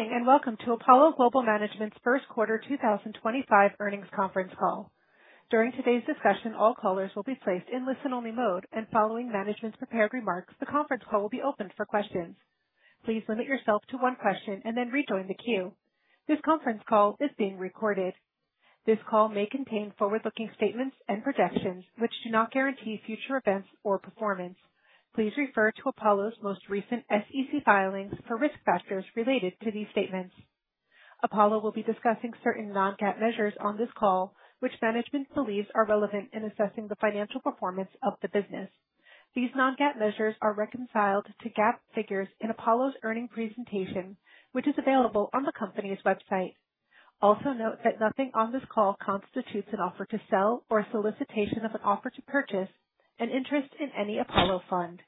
Good morning and welcome to Apollo Global Management's first quarter 2025 earnings conference call. During today's discussion, all callers will be placed in listen-only mode, and following management's prepared remarks, the conference call will be open for questions. Please limit yourself to one question and then rejoin the queue. This conference call is being recorded. This call may contain forward-looking statements and projections, which do not guarantee future events or performance. Please refer to Apollo's most recent SEC filings for risk factors related to these statements. Apollo will be discussing certain non-GAAP measures on this call, which management believes are relevant in assessing the financial performance of the business. These non-GAAP measures are reconciled to GAAP figures in Apollo's earnings presentation, which is available on the company's website. Also note that nothing on this call constitutes an offer to sell or a solicitation of an offer to purchase an interest in any Apollo fund.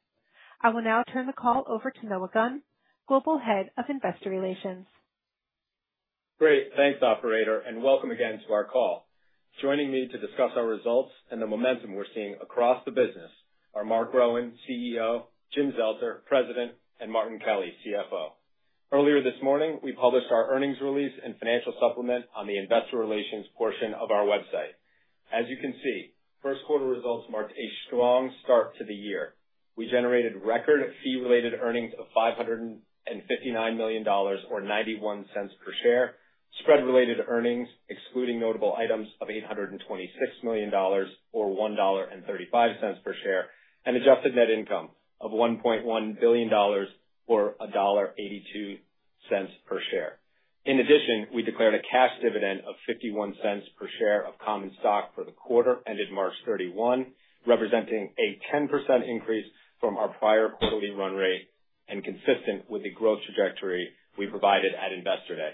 I will now turn the call over to Noah Gunn, Global Head of Investor Relations. Great. Thanks, Operator, and welcome again to our call. Joining me to discuss our results and the momentum we're seeing across the business are Marc Rowan, CEO; Jim Zelter, President; and Martin Kelly, CFO. Earlier this morning, we published our earnings release and financial supplement on the investor relations portion of our website. As you can see, first quarter results marked a strong start to the year. We generated record fee-related earnings of $559 million or $0.91/share, spread-related earnings, excluding notable items, of $826 million or $1.35/share, and Adjusted Net income of $1.1 billion or $1.82/share. In addition, we declared a cash dividend of $0.51/share of common stock for the quarter ended March 31, representing a 10% increase from our prior quarterly run rate and consistent with the growth trajectory we provided at Investor Day.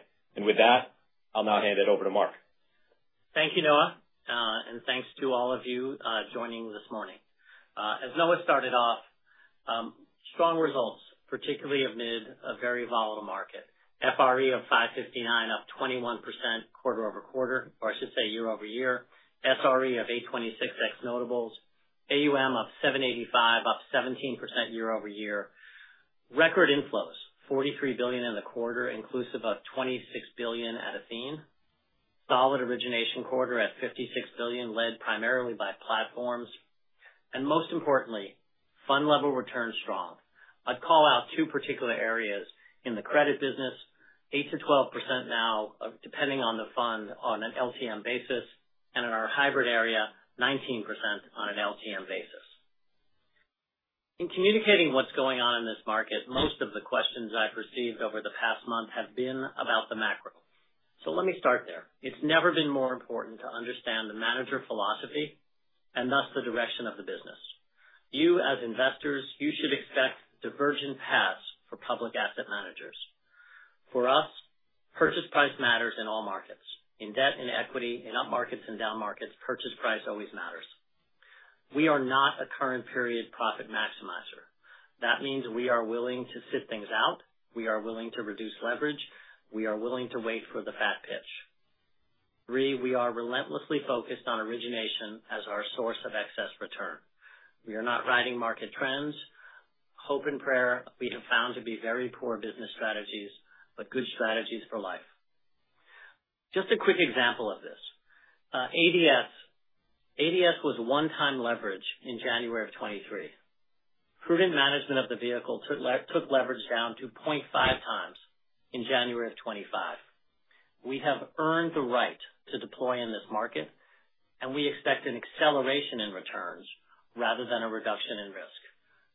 I'll now hand it over to Marc. Thank you, Noah, and thanks to all of you joining this morning. As Noah started off, strong results, particularly amid a very volatile market. FRE of $559 million, up 21% quarter-over-quarter, or I should say year-over-year. SRE of $826 million ex-notables, AUM of $785 billion, up 17% year-over-year. Record inflows, $43 billion in the quarter, inclusive of $26 billion at Athene. Solid origination quarter at $56 billion, led primarily by platforms. Most importantly, fund-level returns strong. I'd call out two particular areas in the credit business: 8%-12% now, depending on the fund, on an LTM basis, and in our hybrid area, 19% on an LTM basis. In communicating what's going on in this market, most of the questions I've received over the past month have been about the macro. Let me start there. It's never been more important to understand the manager philosophy and thus the direction of the business. You, as investors, you should expect divergent paths for public asset managers. For us, purchase price matters in all markets. In debt, in equity, in up markets and down markets, purchase price always matters. We are not a current period profit maximizer. That means we are willing to sit things out. We are willing to reduce leverage. We are willing to wait for the fat pitch. Three, we are relentlessly focused on origination as our source of excess return. We are not riding market trends. Hope and prayer we have found to be very poor business strategies, but good strategies for life. Just a quick example of this: ADS was one-time leverage in January of 2023. Prudent management of the vehicle took leverage down to 2.5x in January of 2025. We have earned the right to deploy in this market, and we expect an acceleration in returns rather than a reduction in risk.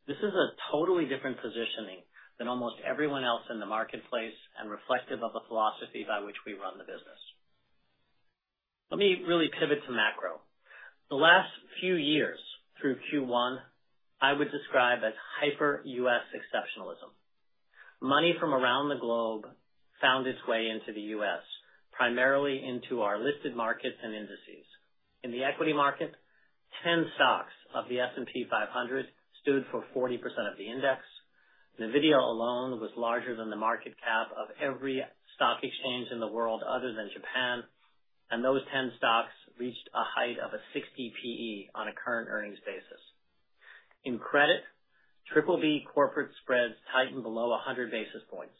This is a totally different positioning than almost everyone else in the marketplace and reflective of the philosophy by which we run the business. Let me really pivot to macro. The last few years through Q1 I would describe as hyper-U.S. exceptionalism. Money from around the globe found its way into the U.S., primarily into our listed markets and indices. In the equity market, 10 stocks of the S&P 500 stood for 40% of the index. NVIDIA alone was larger than the market cap of every stock exchange in the world other than Japan, and those 10 stocks reached a height of a 60 PE on a current earnings basis. In credit, BBB corporate spreads tightened below 100 basis points.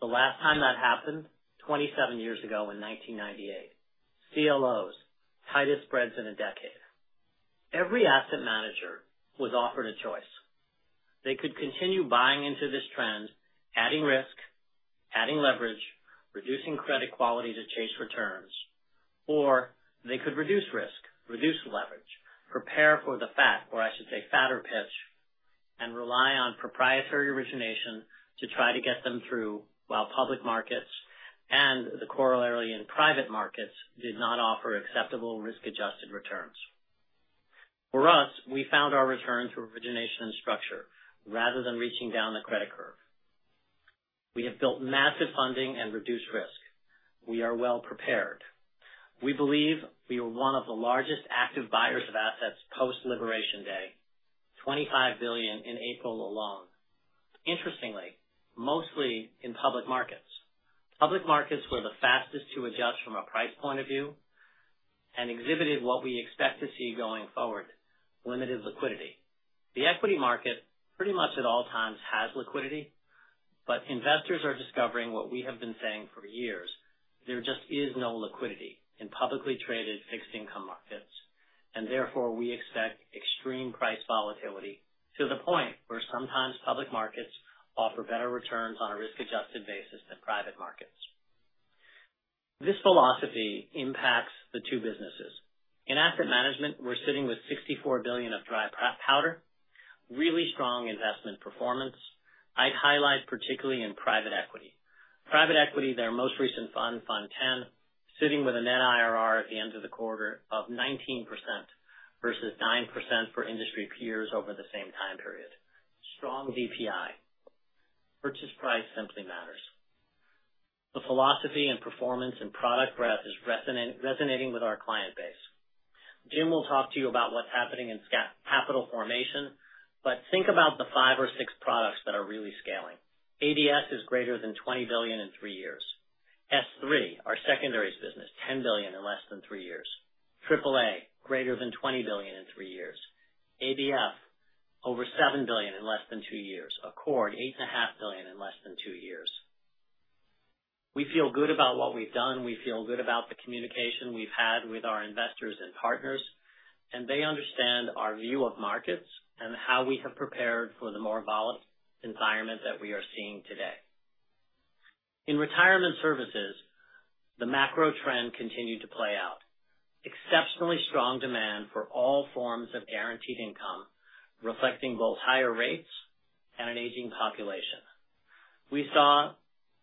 The last time that happened, 27 years ago in 1998. CLOs, tightest spreads in a decade. Every asset manager was offered a choice. They could continue buying into this trend, adding risk, adding leverage, reducing credit quality to chase returns, or they could reduce risk, reduce leverage, prepare for the fat, or I should say fatter pitch, and rely on proprietary origination to try to get them through while public markets and the corollary in private markets did not offer acceptable risk-adjusted returns. For us, we found our return through origination and structure rather than reaching down the credit curve. We have built massive funding and reduced risk. We are well prepared. We believe we were one of the largest active buyers of assets Post Liberation Day, $25 billion in April alone. Interestingly, mostly in public markets. Public markets were the fastest to adjust from a price point of view and exhibited what we expect to see going forward: limited liquidity. The equity market, pretty much at all times, has liquidity, but investors are discovering what we have been saying for years. There just is no liquidity in publicly traded fixed income markets, and therefore we expect extreme price volatility to the point where sometimes public markets offer better returns on a risk-adjusted basis than private markets. This philosophy impacts the two businesses. In asset management, we're sitting with $64 billion of dry powder, really strong investment performance. I'd highlight particularly in private equity. Private equity, their most recent fund, Fund 10, sitting with a net IRR at the end of the quarter of 19% versus 9% for industry peers over the same time period. Strong VPI. Purchase price simply matters. The philosophy and performance and product breadth is resonating with our client base. Jim will talk to you about what's happening in capital formation, but think about the five or six products that are really scaling. ADS is greater than $20 billion in three years. S3, our secondaries business, $10 billion in less than three years. AAA, greater than $20 billion in three years. ABF, over $7 billion in less than two years. Accord, $8.5 billion in less than two years. We feel good about what we've done. We feel good about the communication we've had with our investors and partners, and they understand our view of markets and how we have prepared for the more volatile environment that we are seeing today. In retirement services, the macro trend continued to play out. Exceptionally strong demand for all forms of guaranteed income, reflecting both higher rates and an aging population. We saw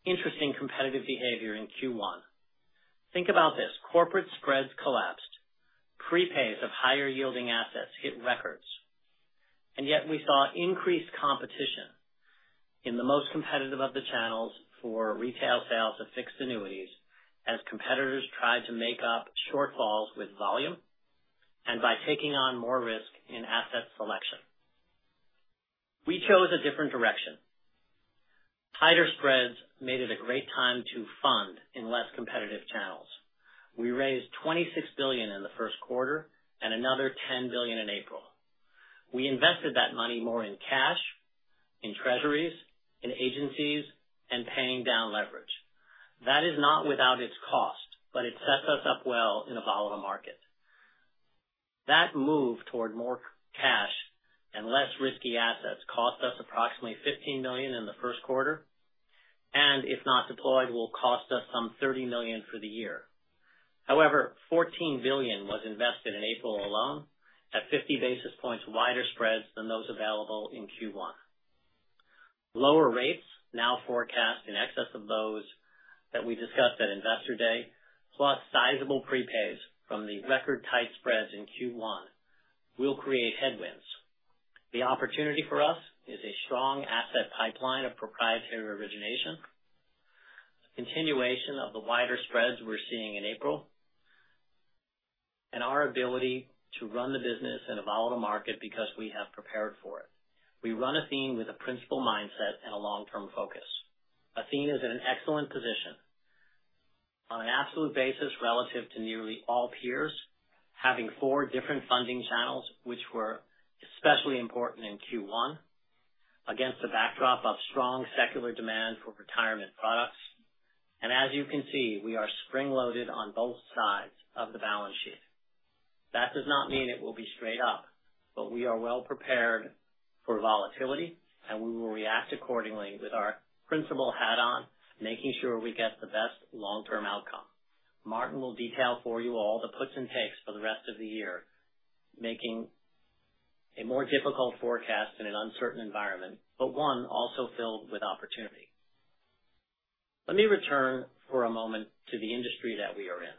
interesting competitive behavior in Q1. Think about this: corporate spreads collapsed, prepays of higher-yielding assets hit records, and yet we saw increased competition in the most competitive of the channels for retail sales of fixed annuities as competitors tried to make up shortfalls with volume and by taking on more risk in asset selection. We chose a different direction. Tighter spreads made it a great time to fund in less competitive channels. We raised $26 billion in the first quarter and another $10 billion in April. We invested that money more in cash, in treasuries, in agencies, and paying down leverage. That is not without its cost, but it sets us up well in a volatile market. That move toward more cash and less risky assets cost us approximately $15 million in the first quarter, and if not deployed, will cost us some $30 million for the year. However, $14 billion was invested in April alone at 50 basis points wider spreads than those available in Q1. Lower rates, now forecast in excess of those that we discussed at Investor Day, plus sizable prepays from the record tight spreads in Q1, will create headwinds. The opportunity for us is a strong asset pipeline of proprietary origination, continuation of the wider spreads we are seeing in April, and our ability to run the business in a volatile market because we have prepared for it. We run Athene with a principal mindset and a long-term focus. Athene is in an excellent position on an absolute basis relative to nearly all peers, having four different funding channels, which were especially important in Q1 against the backdrop of strong secular demand for retirement products. As you can see, we are spring-loaded on both sides of the balance sheet. That does not mean it will be straight up, but we are well prepared for volatility, and we will react accordingly with our principal hat on, making sure we get the best long-term outcome. Martin will detail for you all the puts and takes for the rest of the year, making a more difficult forecast in an uncertain environment, but one also filled with opportunity. Let me return for a moment to the industry that we are in.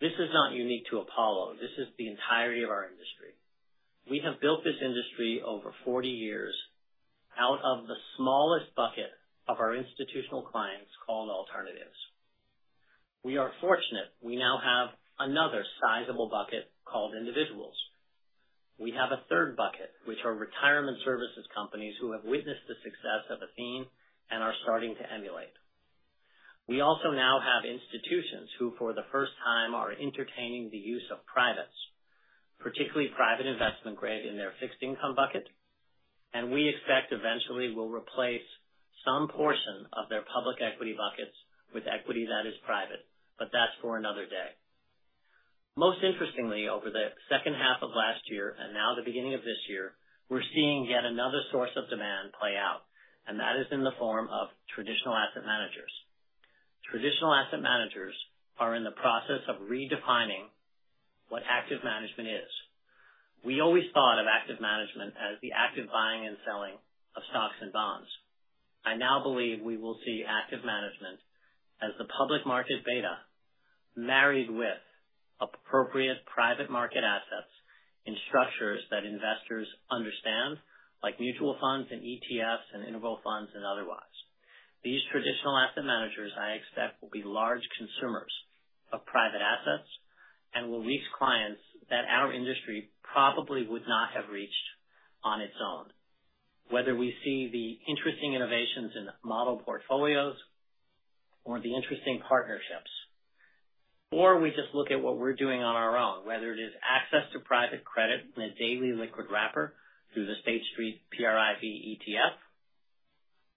This is not unique to Apollo. This is the entirety of our industry. We have built this industry over 40 years out of the smallest bucket of our institutional clients called alternatives. We are fortunate we now have another sizable bucket called individuals. We have a third bucket, which are retirement services companies who have witnessed the success of Athene and are starting to emulate. We also now have institutions who, for the first time, are entertaining the use of privates, particularly private investment grade, in their fixed income bucket, and we expect eventually will replace some portion of their public equity buckets with equity that is private, but that's for another day. Most interestingly, over the second half of last year and now the beginning of this year, we're seeing yet another source of demand play out, and that is in the form of traditional asset managers. Traditional asset managers are in the process of redefining what active management is. We always thought of active management as the active buying and selling of stocks and bonds. I now believe we will see active management as the public market beta married with appropriate private market assets in structures that investors understand, like mutual funds and ETFs and interval funds and otherwise. These traditional asset managers, I expect, will be large consumers of private assets and will reach clients that our industry probably would not have reached on its own, whether we see the interesting innovations in model portfolios or the interesting partnerships, or we just look at what we're doing on our own, whether it is access to private credit in a daily liquid wrapper through the State Street PRIV ETF,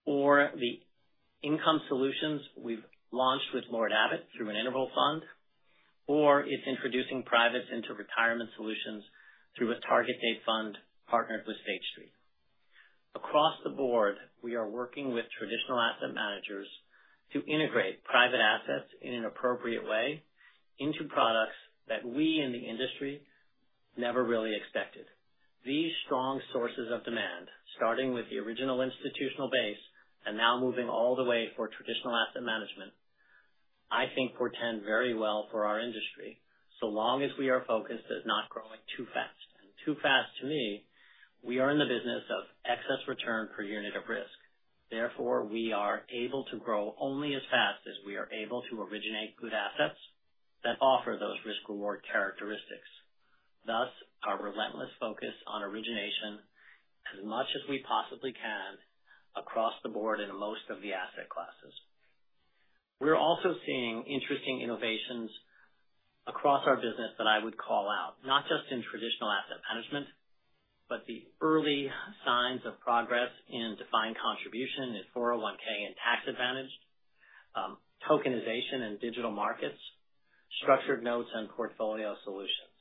or the Income Solutions we've launched with Lord Abbett through an interval fund, or it's introducing privates into retirement solutions through a target-date fund partnered with State Street. Across the board, we are working with traditional asset managers to integrate private assets in an appropriate way into products that we in the industry never really expected. These strong sources of demand, starting with the original institutional base and now moving all the way for traditional asset management, I think, portend very well for our industry so long as we are focused at not growing too fast. Too fast, to me, we are in the business of excess return per unit of risk. Therefore, we are able to grow only as fast as we are able to originate good assets that offer those risk-reward characteristics. Thus, our relentless focus on origination as much as we possibly can across the board in most of the asset classes. We are also seeing interesting innovations across our business that I would call out, not just in traditional asset management, but the early signs of progress in defined contribution in 401(k) and tax-advantaged, tokenization in digital markets, structured notes, and portfolio solutions.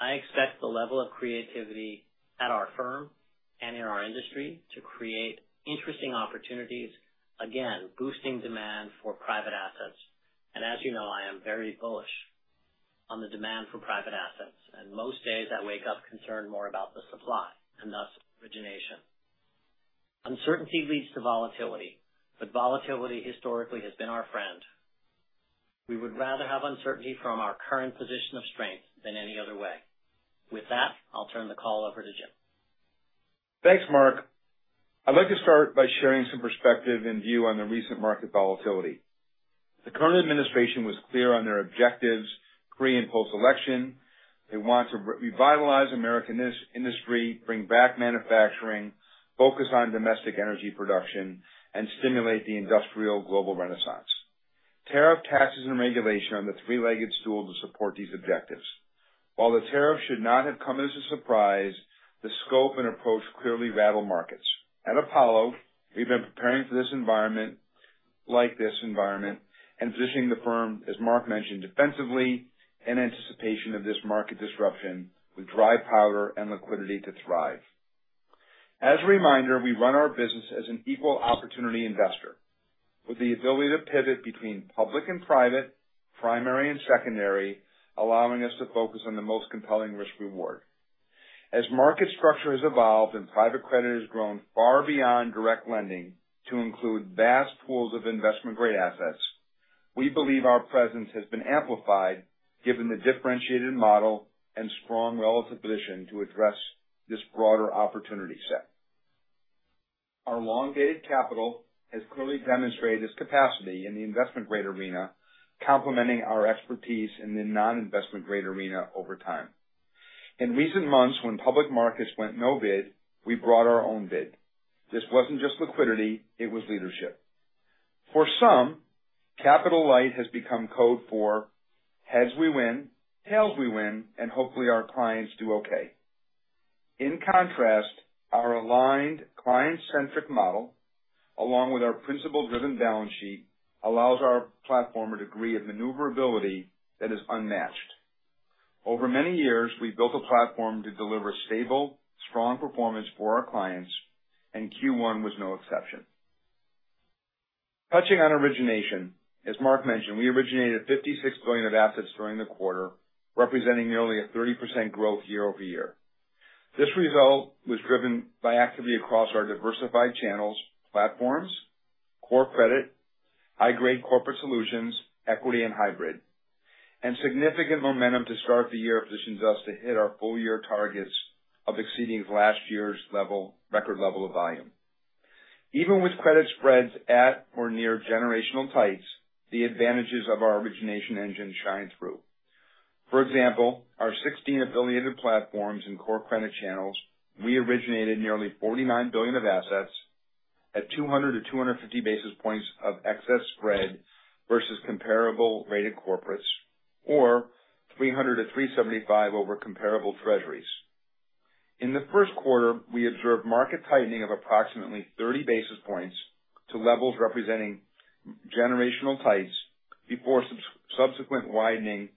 I expect the level of creativity at our firm and in our industry to create interesting opportunities, again, boosting demand for private assets. As you know, I am very bullish on the demand for private assets, and most days I wake up concerned more about the supply and thus origination. Uncertainty leads to volatility, but volatility historically has been our friend. We would rather have uncertainty from our current position of strength than any other way. With that, I'll turn the call over to Jim. Thanks, Marc. I'd like to start by sharing some perspective and view on the recent market volatility. The current administration was clear on their objectives pre and post-election. They want to revitalize American industry, bring back manufacturing, focus on domestic energy production, and stimulate the industrial global renaissance. Tariff, taxes, and regulation are the three-legged stool to support these objectives. While the tariffs should not have come as a surprise, the scope and approach clearly rattle markets. At Apollo, we've been preparing for this environment, like this environment, and positioning the firm, as Marc mentioned, defensively in anticipation of this market disruption with dry powder and liquidity to thrive. As a reminder, we run our business as an equal opportunity investor with the ability to pivot between public and private, primary and secondary, allowing us to focus on the most compelling risk-reward. As market structure has evolved and private credit has grown far beyond direct lending to include vast pools of investment-grade assets, we believe our presence has been amplified given the differentiated model and strong relative position to address this broader opportunity set. Our long-dated capital has clearly demonstrated its capacity in the investment-grade arena, complementing our expertise in the non-investment-grade arena over time. In recent months, when public markets went no bid, we brought our own bid. This was not just liquidity; it was leadership. For some, capital light has become code for heads we win, tails we win, and hopefully our clients do okay. In contrast, our aligned client-centric model, along with our principal-driven balance sheet, allows our platform a degree of maneuverability that is unmatched. Over many years, we built a platform to deliver stable, strong performance for our clients, and Q1 was no exception. Touching on origination, as Marc mentioned, we originated $56 billion of assets during the quarter, representing nearly a 30% growth year-over-year. This result was driven by activity across our diversified channels, platforms, core credit, high-grade corporate solutions, equity, and hybrid. Significant momentum to start the year positions us to hit our full-year targets of exceeding last year's record level of volume. Even with credit spreads at or near generational tights, the advantages of our origination engine shine through. For example, across our 16 affiliated platforms and core credit channels, we originated nearly $49 billion of assets at 200 basis points-250 basis points of excess spread versus comparable-rated corporates or 300 basis points-375 basis points over comparable treasuries. In the first quarter, we observed market tightening of approximately 30 basis points to levels representing generational tights before subsequent widening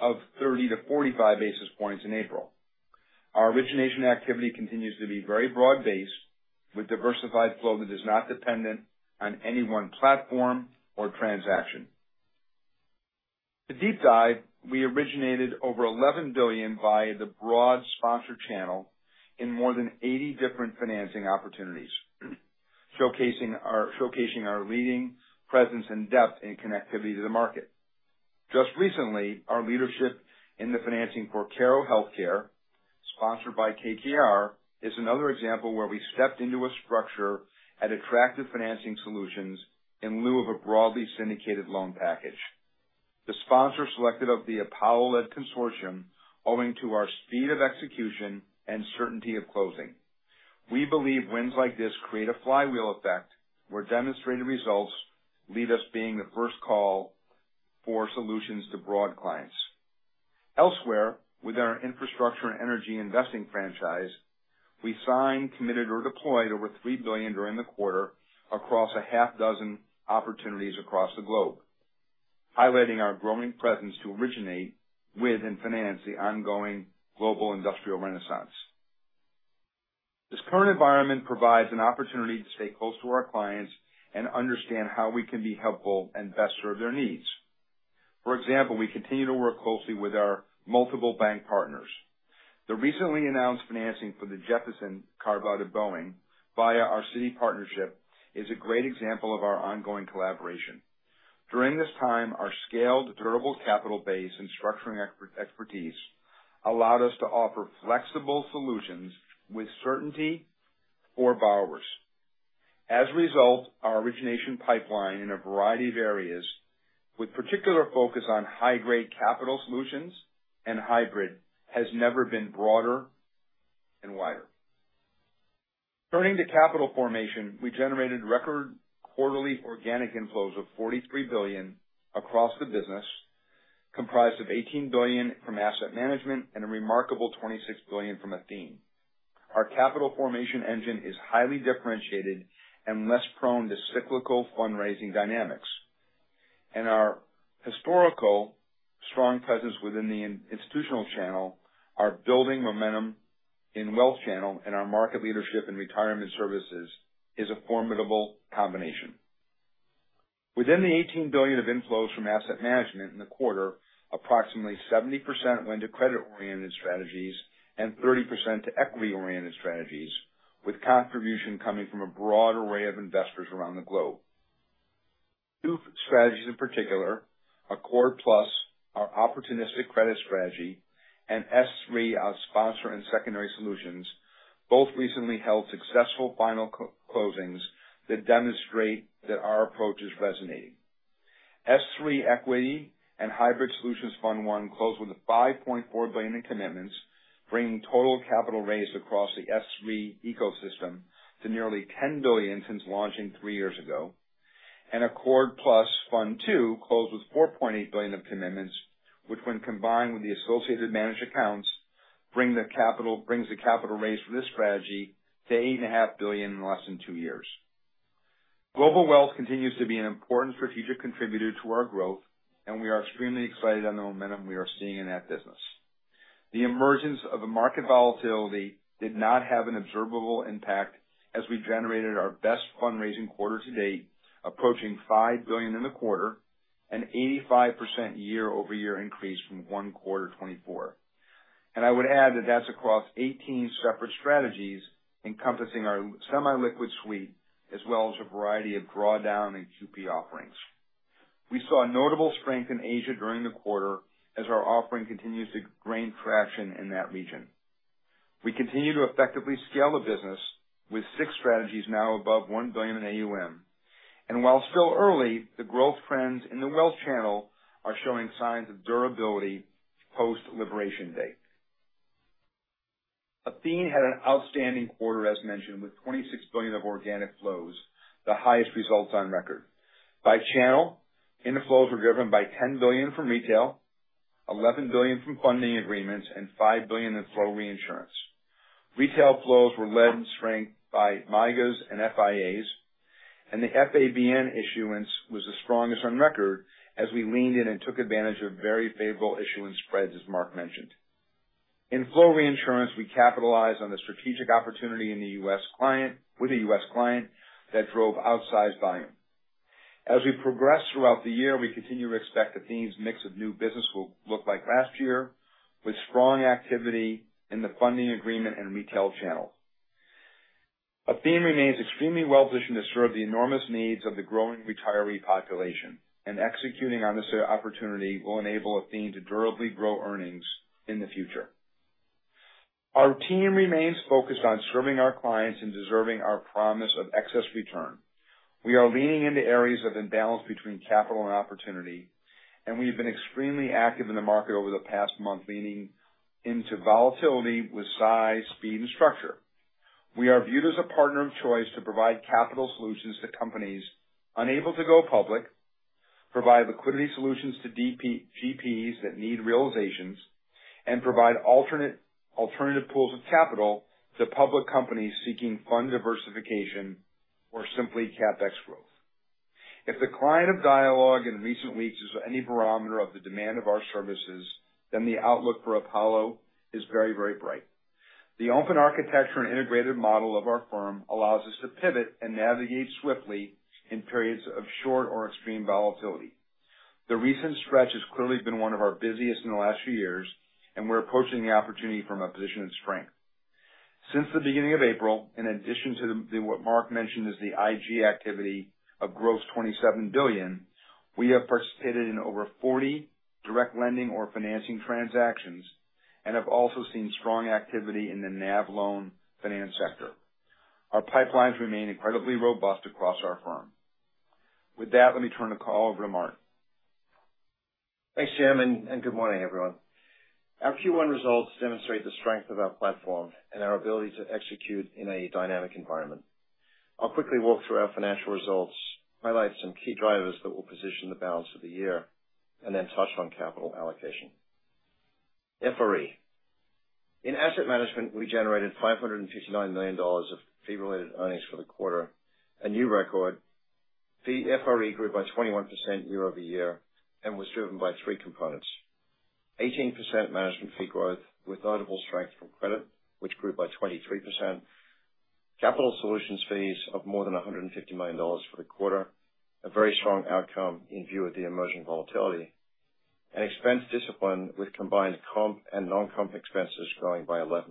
of 30 basis points-45 basis points in April. Our origination activity continues to be very broad-based with diversified flow that is not dependent on any one platform or transaction. To deep dive, we originated over $11 billion via the broad sponsor channel in more than 80 different financing opportunities, showcasing our leading presence and depth in connectivity to the market. Just recently, our leadership in the financing for Karo Healthcare, sponsored by KKR, is another example where we stepped into a structure and attracted financing solutions in lieu of a broadly syndicated loan package. The sponsor selected the Apollo-led consortium owing to our speed of execution and certainty of closing. We believe wins like this create a flywheel effect where demonstrated results lead to us being the first call for solutions to broad clients. Elsewhere, with our infrastructure and energy investing franchise, we signed, committed, or deployed over $3 billion during the quarter across a half dozen opportunities across the globe, highlighting our growing presence to originate with and finance the ongoing global industrial renaissance. This current environment provides an opportunity to stay close to our clients and understand how we can be helpful and best serve their needs. For example, we continue to work closely with our multiple bank partners. The recently announced financing for the Jeppesen carve-out at Boeing via our Citi partnership is a great example of our ongoing collaboration. During this time, our scaled durable capital base and structuring expertise allowed us to offer flexible solutions with certainty for borrowers. As a result, our origination pipeline in a variety of areas, with particular focus on high-grade capital solutions and hybrid, has never been broader and wider. Turning to capital formation, we generated record quarterly organic inflows of $43 billion across the business, comprised of $18 billion from asset management and a remarkable $26 billion from Athene. Our capital formation engine is highly differentiated and less prone to cyclical fundraising dynamics. Our historical strong presence within the institutional channel, our building momentum in the wealth channel, and our market leadership in retirement services is a formidable combination. Within the $18 billion of inflows from asset management in the quarter, approximately 70% went to credit-oriented strategies and 30% to equity-oriented strategies, with contribution coming from a broad array of investors around the globe. Two strategies in particular, Accord+, our opportunistic credit strategy, and S3, our sponsor and secondary solutions, both recently held successful final closings that demonstrate that our approach is resonating. S3 Equity & Hybrid Solutions Fund I closed with $5.4 billion in commitments, bringing total capital raised across the S3 ecosystem to nearly $10 billion since launching three years ago. Accord+ Fund II closed with $4.8 billion of commitments, which, when combined with the associated managed accounts, brings the capital raised for this strategy to $8.5 billion in less than two years. Global Wealth continues to be an important strategic contributor to our growth, and we are extremely excited on the momentum we are seeing in that business. The emergence of the market volatility did not have an observable impact as we generated our best fundraising quarter to date, approaching $5 billion in the quarter, an 85% year-over-year increase from Q2 2024. I would add that that's across 18 separate strategies encompassing our semi-liquid suite as well as a variety of drawdown and QP offerings. We saw notable strength in Asia during the quarter as our offering continues to gain traction in that region. We continue to effectively scale the business with six strategies now above $1 billion in AUM. While still early, the growth trends in the wealth channel are showing signs of durability post-liberation date. Athene had an outstanding quarter, as mentioned, with $26 billion of organic flows, the highest results on record. By channel, inflows were driven by $10 billion from retail, $11 billion from funding agreements, and $5 billion in flow reinsurance. Retail flows were led and strengthened by MYGAs and FIAs, and the FABN issuance was the strongest on record as we leaned in and took advantage of very favorable issuance spreads, as Marc mentioned. In flow reinsurance, we capitalized on the strategic opportunity in the U.S. client with a U.S. client that drove outsized volume. As we progress throughout the year, we continue to expect Athene's mix of new business will look like last year, with strong activity in the funding agreement and retail channel. Athene remains extremely well-positioned to serve the enormous needs of the growing retiree population, and executing on this opportunity will enable Athene to durably grow earnings in the future. Our team remains focused on serving our clients and deserving our promise of excess return. We are leaning into areas of imbalance between capital and opportunity, and we have been extremely active in the market over the past month, leaning into volatility with size, speed, and structure. We are viewed as a partner of choice to provide capital solutions to companies unable to go public, provide liquidity solutions to GPs that need realizations, and provide alternative pools of capital to public companies seeking fund diversification or simply CapEx growth. If the client of dialogue in recent weeks is any barometer of the demand of our services, then the outlook for Apollo is very, very bright. The open architecture and integrated model of our firm allows us to pivot and navigate swiftly in periods of short or extreme volatility. The recent stretch has clearly been one of our busiest in the last few years, and we're approaching the opportunity from a position of strength. Since the beginning of April, in addition to what Marc mentioned as the IG activity of gross $27 billion, we have participated in over 40 direct lending or financing transactions and have also seen strong activity in the NAV loan finance sector. Our pipelines remain incredibly robust across our firm. With that, let me turn the call over to Martin. Thanks, Jim, and good morning, everyone. Our Q1 results demonstrate the strength of our platform and our ability to execute in a dynamic environment. I'll quickly walk through our financial results, highlight some key drivers that will position the balance of the year, and then touch on capital allocation. FRE. In asset management, we generated $559 million of fee-related earnings for the quarter, a new record. Fee FRE grew by 21% year-over-year and was driven by three components: 18% management fee growth with notable strength from credit, which grew by 23%; capital solutions fees of more than $150 million for the quarter, a very strong outcome in view of the emerging volatility; and expense discipline with combined comp and non-comp expenses growing by 11%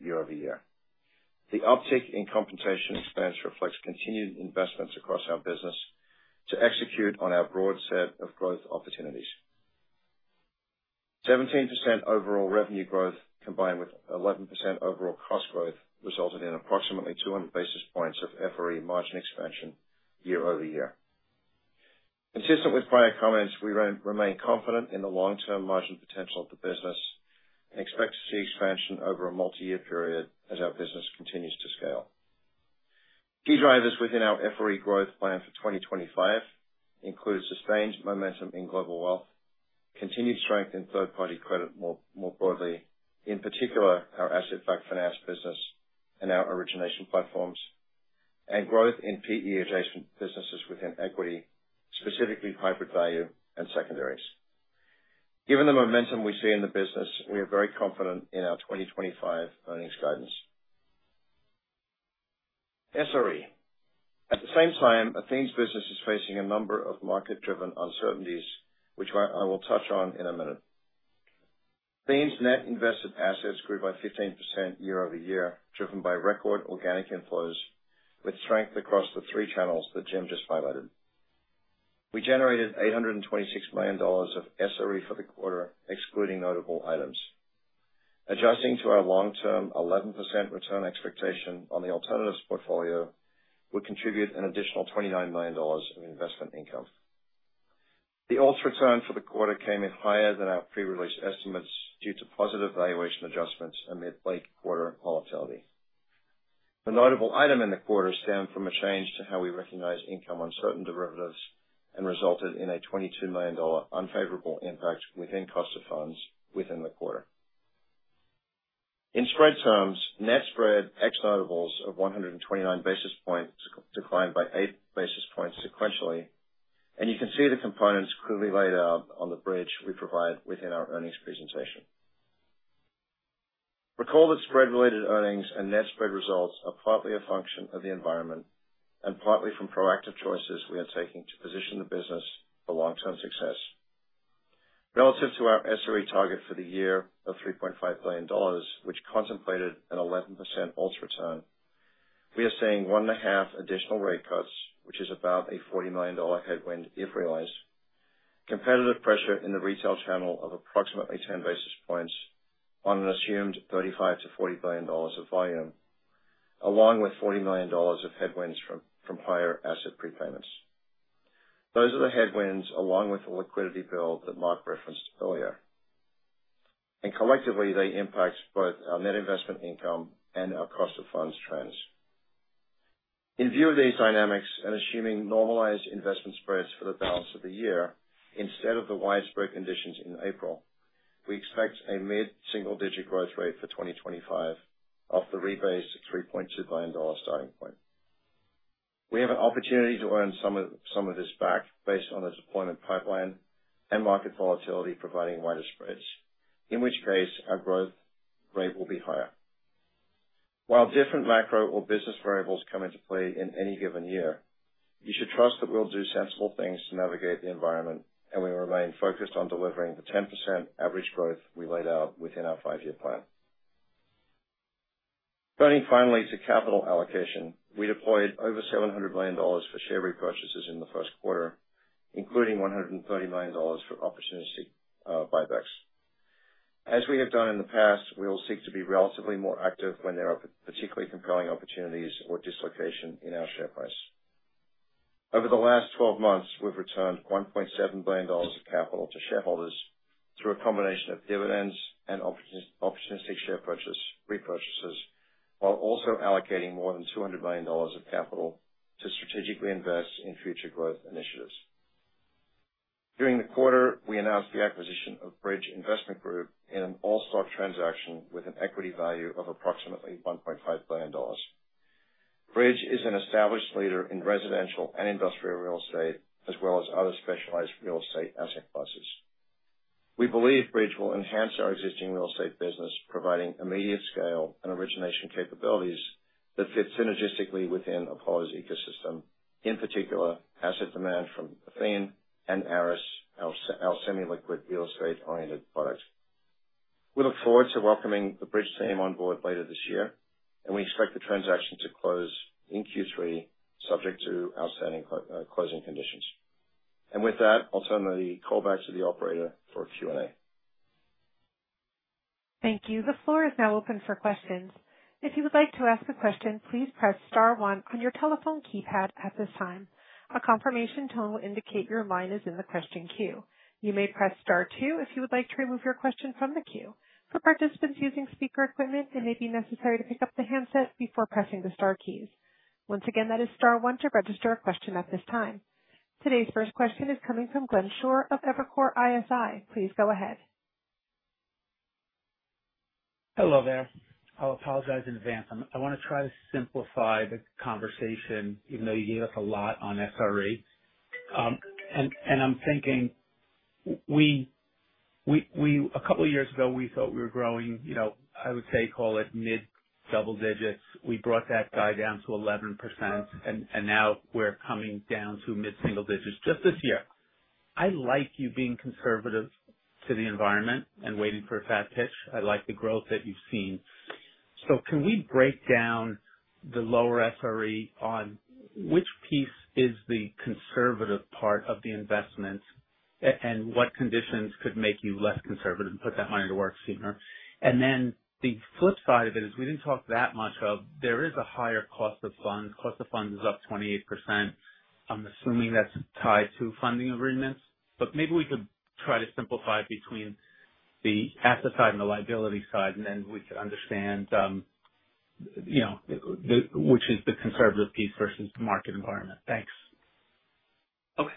year-over-year. The uptick in compensation expense reflects continued investments across our business to execute on our broad set of growth opportunities. 17% overall revenue growth combined with 11% overall cost growth resulted in approximately 200 basis points of FRE margin expansion year-over-year. Consistent with prior comments, we remain confident in the long-term margin potential of the business and expect to see expansion over a multi-year period as our business continues to scale. Key drivers within our FRE growth plan for 2025 include sustained momentum in global wealth, continued strength in third-party credit more broadly, in particular our asset-backed finance business and our origination platforms, and growth in PE-adjacent businesses within equity, specifically hybrid value and secondaries. Given the momentum we see in the business, we are very confident in our 2025 earnings guidance. SRE. At the same time, Athene's business is facing a number of market-driven uncertainties, which I will touch on in a minute. Athene's net invested assets grew by 15% year-over-year, driven by record organic inflows with strength across the three channels that Jim just highlighted. We generated $826 million of SRE for the quarter, excluding notable items. Adjusting to our long-term 11% return expectation on the alternatives portfolio would contribute an additional $29 million of investment income. The alts return for the quarter came in higher than our pre-release estimates due to positive valuation adjustments amid late quarter volatility. The notable item in the quarter stemmed from a change to how we recognize income on certain derivatives and resulted in a $22 million unfavorable impact within cost of funds within the quarter. In spread terms, net spread ex-notables of 129 basis points declined by 8 basis points sequentially, and you can see the components clearly laid out on the bridge we provide within our earnings presentation. Recall that spread-related earnings and net spread results are partly a function of the environment and partly from proactive choices we are taking to position the business for long-term success. Relative to our SRE target for the year of $3.5 billion, which contemplated an 11% alts return, we are seeing one and a half additional rate cuts, which is about a $40 million headwind if realized, competitive pressure in the retail channel of approximately 10 basis points on an assumed $35 billion-$40 billion of volume, along with $40 million of headwinds from prior asset prepayments. Those are the headwinds along with the liquidity build that Marc referenced earlier. Collectively, they impact both our net investment income and our cost of funds trends. In view of these dynamics and assuming normalized investment spreads for the balance of the year instead of the widespread conditions in April, we expect a mid-single-digit growth rate for 2025 off the rebase of $3.2 billion starting point. We have an opportunity to earn some of this back based on the deployment pipeline and market volatility providing wider spreads, in which case our growth rate will be higher. While different macro or business variables come into play in any given year, you should trust that we'll do sensible things to navigate the environment, and we will remain focused on delivering the 10% average growth we laid out within our five-year plan. Turning finally to capital allocation, we deployed over $700 million for share repurchases in the first quarter, including $130 million for opportunistic buybacks. As we have done in the past, we will seek to be relatively more active when there are particularly compelling opportunities or dislocation in our share price. Over the last 12 months, we've returned $1.7 billion of capital to shareholders through a combination of dividends and opportunistic share repurchases, while also allocating more than $200 million of capital to strategically invest in future growth initiatives. During the quarter, we announced the acquisition of Bridge Investment Group in an all-stock transaction with an equity value of approximately $1.5 billion. Bridge is an established leader in residential and industrial real estate, as well as other specialized real estate asset classes. We believe Bridge will enhance our existing real estate business, providing immediate scale and origination capabilities that fit synergistically within Apollo's ecosystem, in particular asset demand from Athene and ARIS, our semi-liquid real estate-oriented product. We look forward to welcoming the Bridge team on board later this year, and we expect the transaction to close in Q3, subject to outstanding closing conditions. With that, I'll turn the call back to the operator for a Q&A. Thank you. The floor is now open for questions. If you would like to ask a question, please press star one on your telephone keypad at this time. A confirmation tone will indicate your line is in the question queue. You may press star two if you would like to remove your question from the queue. For participants using speaker equipment, it may be necessary to pick up the handset before pressing the star key. Once again, that is star one to register a question at this time. Today's first question is coming from Glenn Schorr of Evercore ISI. Please go ahead. Hello there. I'll apologize in advance. I want to try to simplify the conversation, even though you gave us a lot on SRE. I'm thinking a couple of years ago, we thought we were growing, I would say, call it mid-double digits. We brought that guy down to 11%, and now we're coming down to mid-single digits just this year. I like you being conservative to the environment and waiting for a fat pitch. I like the growth that you've seen. Can we break down the lower SRE on which piece is the conservative part of the investment and what conditions could make you less conservative and put that money to work sooner? The flip side of it is we did not talk that much of there is a higher cost of funds. Cost of funds is up 28%. I'm assuming that's tied to funding agreements, but maybe we could try to simplify between the asset side and the liability side, and then we could understand which is the conservative piece versus the market environment. Thanks. Okay.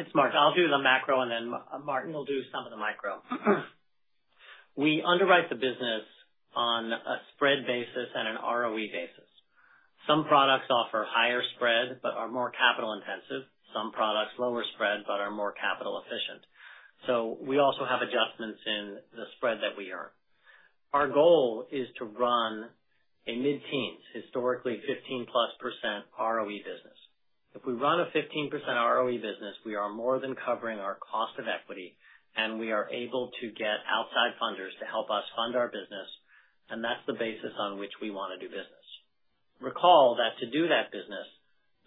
It's Marc. I'll do the macro, and then Martin will do some of the micro. We underwrite the business on a spread basis and an ROE basis. Some products offer higher spread but are more capital-intensive. Some products, lower spread, but are more capital-efficient. We also have adjustments in the spread that we earn. Our goal is to run a mid-teens, historically 15+% ROE business. If we run a 15% ROE business, we are more than covering our cost of equity, and we are able to get outside funders to help us fund our business, and that's the basis on which we want to do business. Recall that to do that business,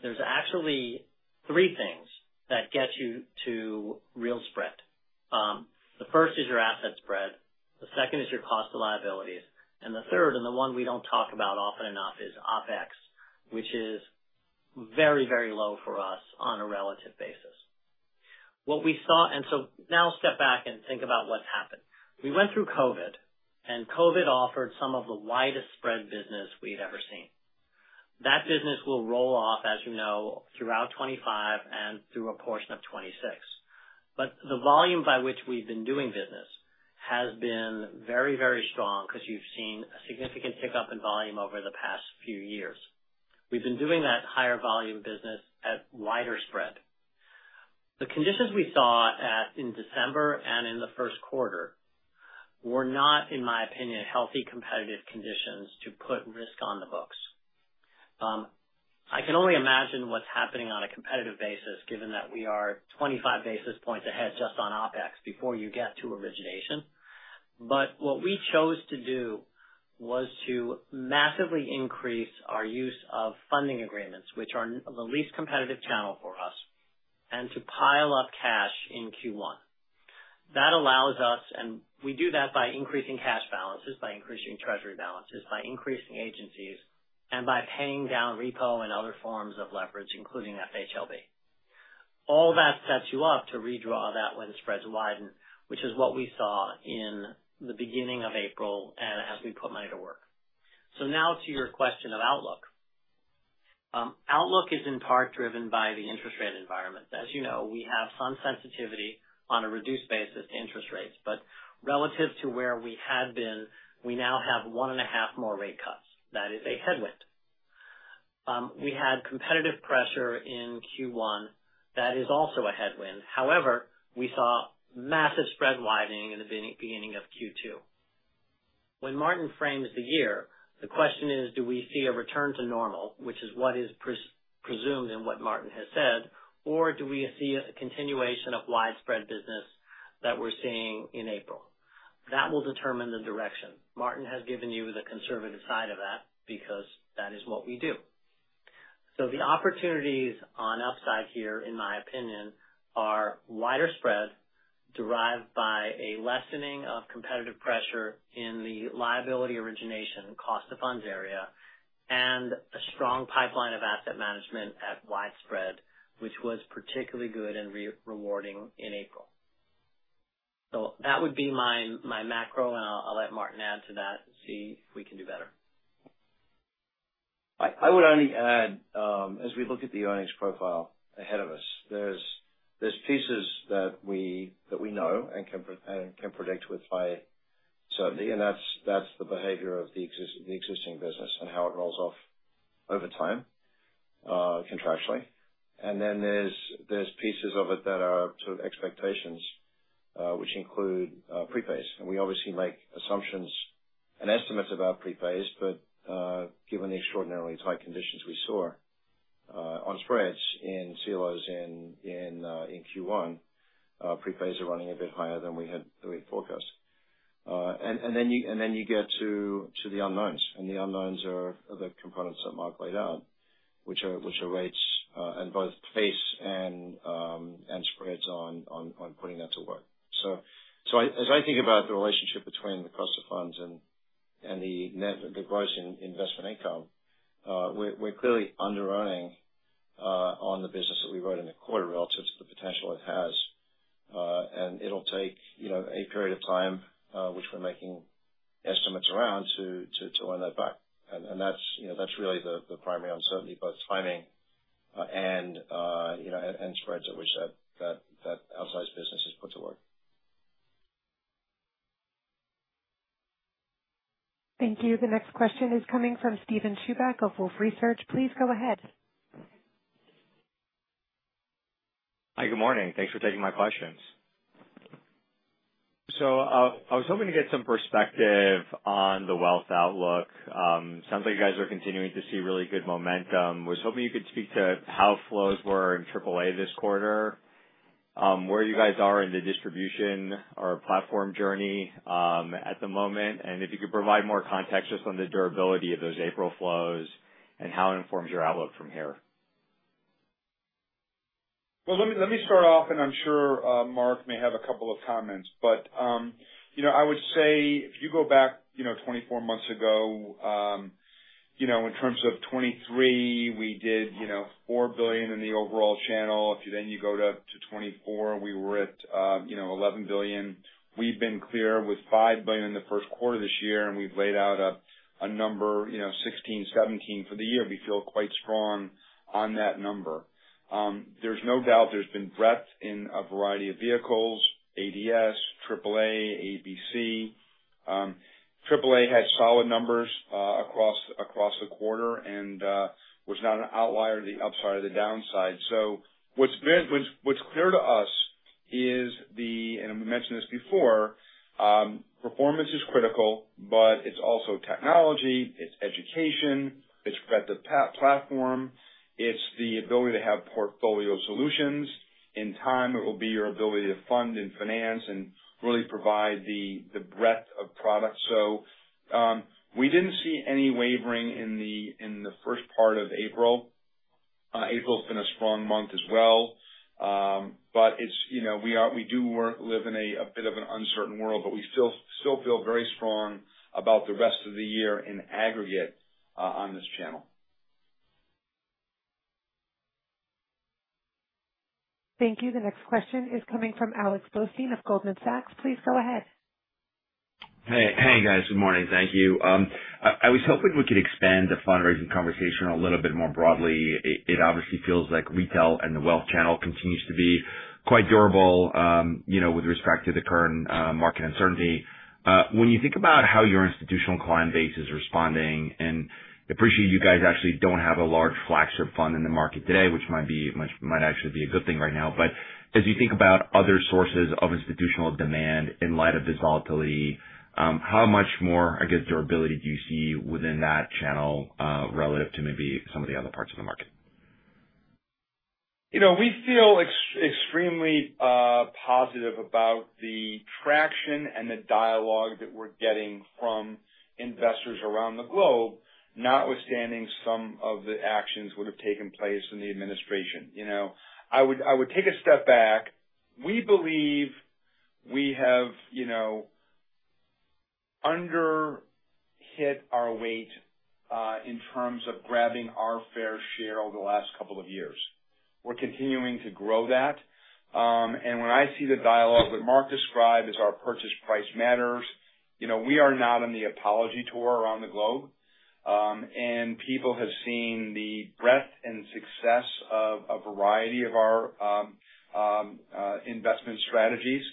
there's actually three things that get you to real spread. The first is your asset spread. The second is your cost of liabilities. The third, and the one we do not talk about often enough, is OpEx, which is very, very low for us on a relative basis. What we saw, and now step back and think about what has happened. We went through COVID, and COVID offered some of the widest spread business we had ever seen. That business will roll off, as you know, throughout 2025 and through a portion of 2026. The volume by which we have been doing business has been very, very strong because you have seen a significant pickup in volume over the past few years. We have been doing that higher volume business at wider spread. The conditions we saw in December and in the first quarter were not, in my opinion, healthy competitive conditions to put risk on the books. I can only imagine what's happening on a competitive basis, given that we are 25 basis points ahead just on OpEx before you get to origination. What we chose to do was to massively increase our use of funding agreements, which are the least competitive channel for us, and to pile up cash in Q1. That allows us, and we do that by increasing cash balances, by increasing treasury balances, by increasing agencies, and by paying down repo and other forms of leverage, including FHLB. All that sets you up to redraw that when spreads widen, which is what we saw in the beginning of April as we put money to work. Now to your question of outlook. Outlook is in part driven by the interest rate environment. As you know, we have some sensitivity on a reduced basis to interest rates, but relative to where we had been, we now have one and a half more rate cuts. That is a headwind. We had competitive pressure in Q1. That is also a headwind. However, we saw massive spread widening in the beginning of Q2. When Martin frames the year, the question is, do we see a return to normal, which is what is presumed and what Martin has said, or do we see a continuation of widespread business that we're seeing in April? That will determine the direction. Martin has given you the conservative side of that because that is what we do. The opportunities on upside here, in my opinion, are widespread, derived by a lessening of competitive pressure in the liability origination, cost of funds area, and a strong pipeline of asset management at widespread, which was particularly good and rewarding in April. That would be my macro, and I'll let Martin add to that and see if we can do better. I would only add, as we look at the earnings profile ahead of us, there's pieces that we know and can predict with high certainty, and that's the behavior of the existing business and how it rolls off over time contractually. There are pieces of it that are sort of expectations, which include prepays. We obviously make assumptions and estimates about prepays, but given the extraordinarily tight conditions we saw on spreads in CLOs in Q1, prepays are running a bit higher than we had forecast. You get to the unknowns, and the unknowns are the components that Marc laid out, which are rates and both pace and spreads on putting that to work. As I think about the relationship between the cost of funds and the gross investment income, we're clearly under-earning on the business that we wrote in the quarter relative to the potential it has, and it'll take a period of time, which we're making estimates around, to earn that back. That's really the primary uncertainty, both timing and spreads at which that outsized business is put to work. Thank you. The next question is coming from Steven Chubak of Wolfe Research. Please go ahead. Hi, good morning. Thanks for taking my questions. I was hoping to get some perspective on the wealth outlook. Sounds like you guys are continuing to see really good momentum. I was hoping you could speak to how flows were in AAA this quarter, where you guys are in the distribution or platform journey at the moment, and if you could provide more context just on the durability of those April flows and how it informs your outlook from here? Let me start off, and I'm sure Marc may have a couple of comments, but I would say if you go back 24 months ago, in terms of 2023, we did $4 billion in the overall channel. If then you go to 2024, we were at $11 billion. We've been clear with $5 billion in the first quarter this year, and we've laid out a number, $16 billion-$17 billion for the year. We feel quite strong on that number. There's no doubt there's been breadth in a variety of vehicles: ADS, AAA, ABC. AAA had solid numbers across the quarter and was not an outlier to the upside or the downside. What is clear to us is the, and we mentioned this before, performance is critical, but it's also technology, it's education, it's breadth of platform, it's the ability to have portfolio solutions. In time, it will be your ability to fund and finance and really provide the breadth of product. We did not see any wavering in the first part of April. April has been a strong month as well, but we do live in a bit of an uncertain world, but we still feel very strong about the rest of the year in aggregate on this channel. Thank you. The next question is coming from Alex Blostein of Goldman Sachs. Please go ahead. Hey, guys. Good morning. Thank you. I was hoping we could expand the fundraising conversation a little bit more broadly. It obviously feels like retail and the wealth channel continues to be quite durable with respect to the current market uncertainty. When you think about how your institutional client base is responding, and I appreciate you guys actually do not have a large flagship fund in the market today, which might actually be a good thing right now, but as you think about other sources of institutional demand in light of this volatility, how much more, I guess, durability do you see within that channel relative to maybe some of the other parts of the market? We feel extremely positive about the traction and the dialogue that we're getting from investors around the globe, notwithstanding some of the actions that would have taken place in the administration. I would take a step back. We believe we have underhit our weight in terms of grabbing our fair share over the last couple of years. We're continuing to grow that. When I see the dialogue that Marc described as our purchase price matters, we are not on the apology tour around the globe, and people have seen the breadth and success of a variety of our investment strategies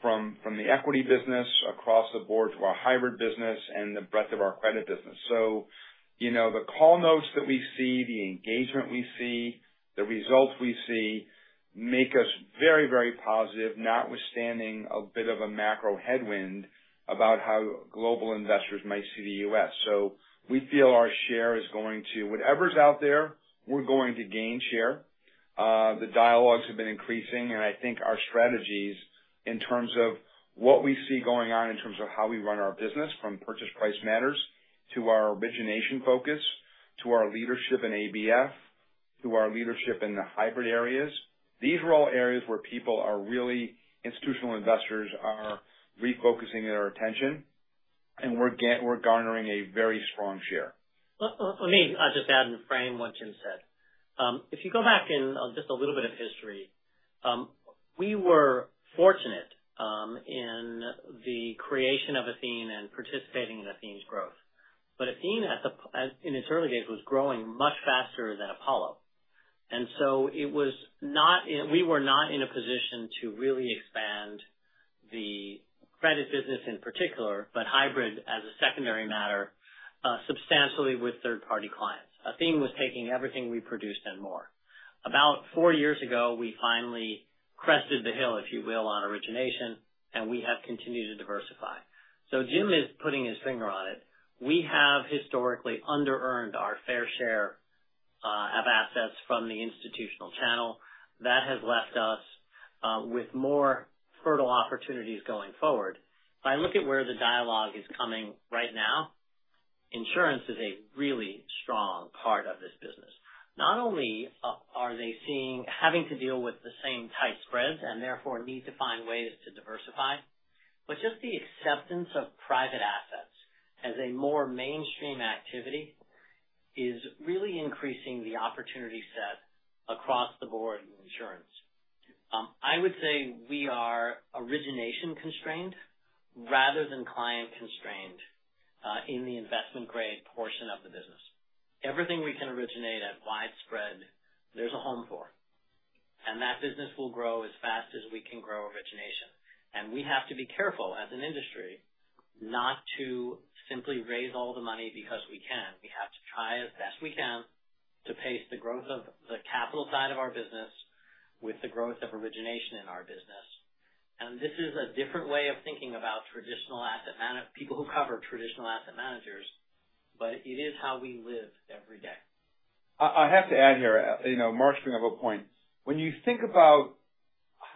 from the equity business across the board to our hybrid business and the breadth of our credit business. The call notes that we see, the engagement we see, the results we see make us very, very positive, notwithstanding a bit of a macro headwind about how global investors might see the U.S. We feel our share is going to, whatever's out there, we're going to gain share. The dialogues have been increasing, and I think our strategies in terms of what we see going on in terms of how we run our business, from purchase price matters to our origination focus to our leadership in ABF to our leadership in the hybrid areas, these are all areas where people are really institutional investors are refocusing their attention, and we're garnering a very strong share. Let me just add and frame what Jim said. If you go back in just a little bit of history, we were fortunate in the creation of Athene and participating in Athene's growth. But Athene, in its early days, was growing much faster than Apollo. It was not, we were not in a position to really expand the credit business in particular, but hybrid as a secondary matter substantially with third-party clients. Athene was taking everything we produced and more. About four years ago, we finally crested the hill, if you will, on origination, and we have continued to diversify. Jim is putting his finger on it. We have historically under-earned our fair share of assets from the institutional channel. That has left us with more fertile opportunities going forward. If I look at where the dialogue is coming right now, insurance is a really strong part of this business. Not only are they seeing having to deal with the same tight spreads and therefore need to find ways to diversify, but just the acceptance of private assets as a more mainstream activity is really increasing the opportunity set across the board in insurance. I would say we are origination constrained rather than client constrained in the investment-grade portion of the business. Everything we can originate at widespread, there's a home for. That business will grow as fast as we can grow origination. We have to be careful as an industry not to simply raise all the money because we can. We have to try as best we can to pace the growth of the capital side of our business with the growth of origination in our business. This is a different way of thinking about traditional asset managers, people who cover traditional asset managers, but it is how we live every day. I have to add here, Marc's bringing up a point. When you think about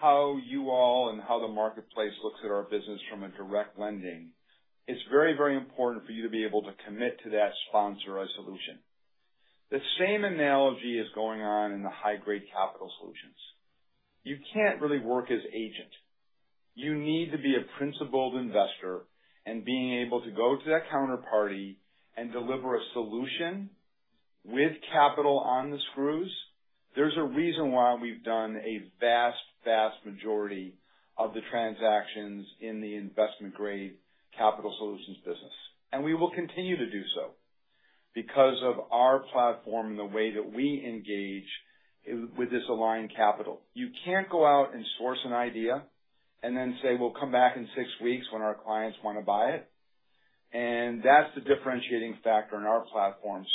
how you all and how the marketplace looks at our business from a direct lending, it's very, very important for you to be able to commit to that sponsor or solution. The same analogy is going on in the high-grade capital solutions. You can't really work as agent. You need to be a principled investor and being able to go to that counterparty and deliver a solution with capital on the screws. There's a reason why we've done a vast, vast majority of the transactions in the investment-grade capital solutions business. We will continue to do so because of our platform and the way that we engage with this aligned capital. You can't go out and source an idea and then say, "We'll come back in six weeks when our clients want to buy it." That is the differentiating factor in our platform.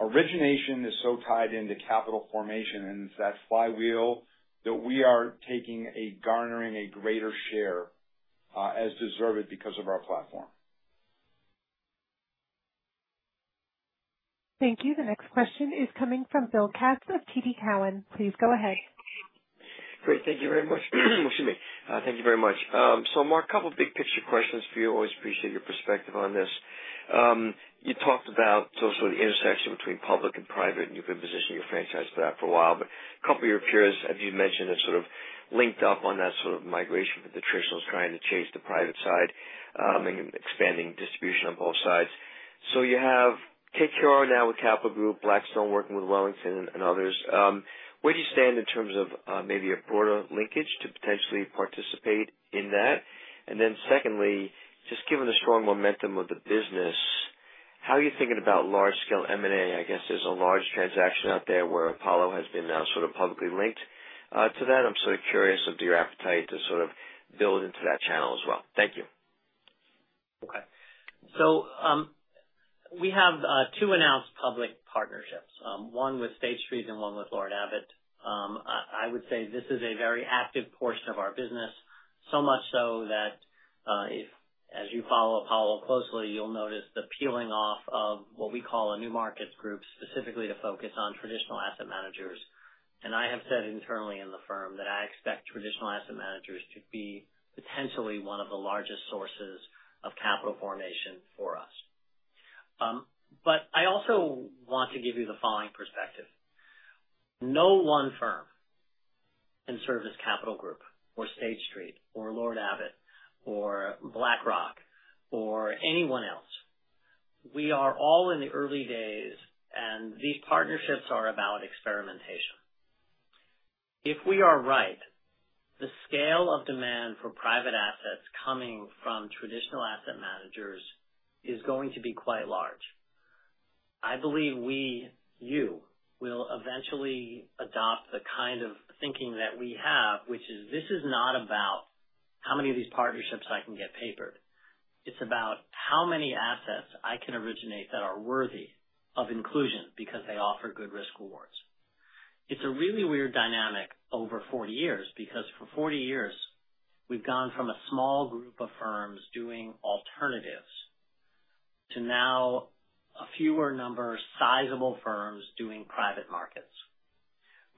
Origination is so tied into capital formation, and it's that flywheel that we are taking a garnering a greater share as deserved because of our platform. Thank you. The next question is coming from Bill Katz of TD Cowen. Please go ahead. Great. Thank you very much. Excuse me. Thank you very much. Marc, a couple of big picture questions for you. Always appreciate your perspective on this. You talked about sort of the intersection between public and private, and you've been positioning your franchise for that for a while, but a couple of your peers, as you mentioned, have sort of linked up on that sort of migration for the traditionals, trying to chase the private side and expanding distribution on both sides. You have KKR now with Capital Group, Blackstone working with Wellington and others. Where do you stand in terms of maybe a broader linkage to potentially participate in that? Secondly, just given the strong momentum of the business, how are you thinking about large-scale M&A? I guess there's a large transaction out there where Apollo has been sort of publicly linked to that. I'm sort of curious of your appetite to sort of build into that channel as well. Thank you. Okay. We have two announced public partnerships, one with State Street and one with Lord Abbett. I would say this is a very active portion of our business, so much so that if, as you follow Apollo closely, you'll notice the peeling off of what we call a new markets group specifically to focus on traditional asset managers. I have said internally in the firm that I expect traditional asset managers to be potentially one of the largest sources of capital formation for us. I also want to give you the following perspective. No one firm can service Capital Group or State Street or Lord Abbett or BlackRock or anyone else. We are all in the early days, and these partnerships are about experimentation. If we are right, the scale of demand for private assets coming from traditional asset managers is going to be quite large. I believe we, you, will eventually adopt the kind of thinking that we have, which is this is not about how many of these partnerships I can get papered. It is about how many assets I can originate that are worthy of inclusion because they offer good risk rewards. It is a really weird dynamic over 40 years because for 40 years, we have gone from a small group of firms doing alternatives to now a fewer number of sizable firms doing private markets.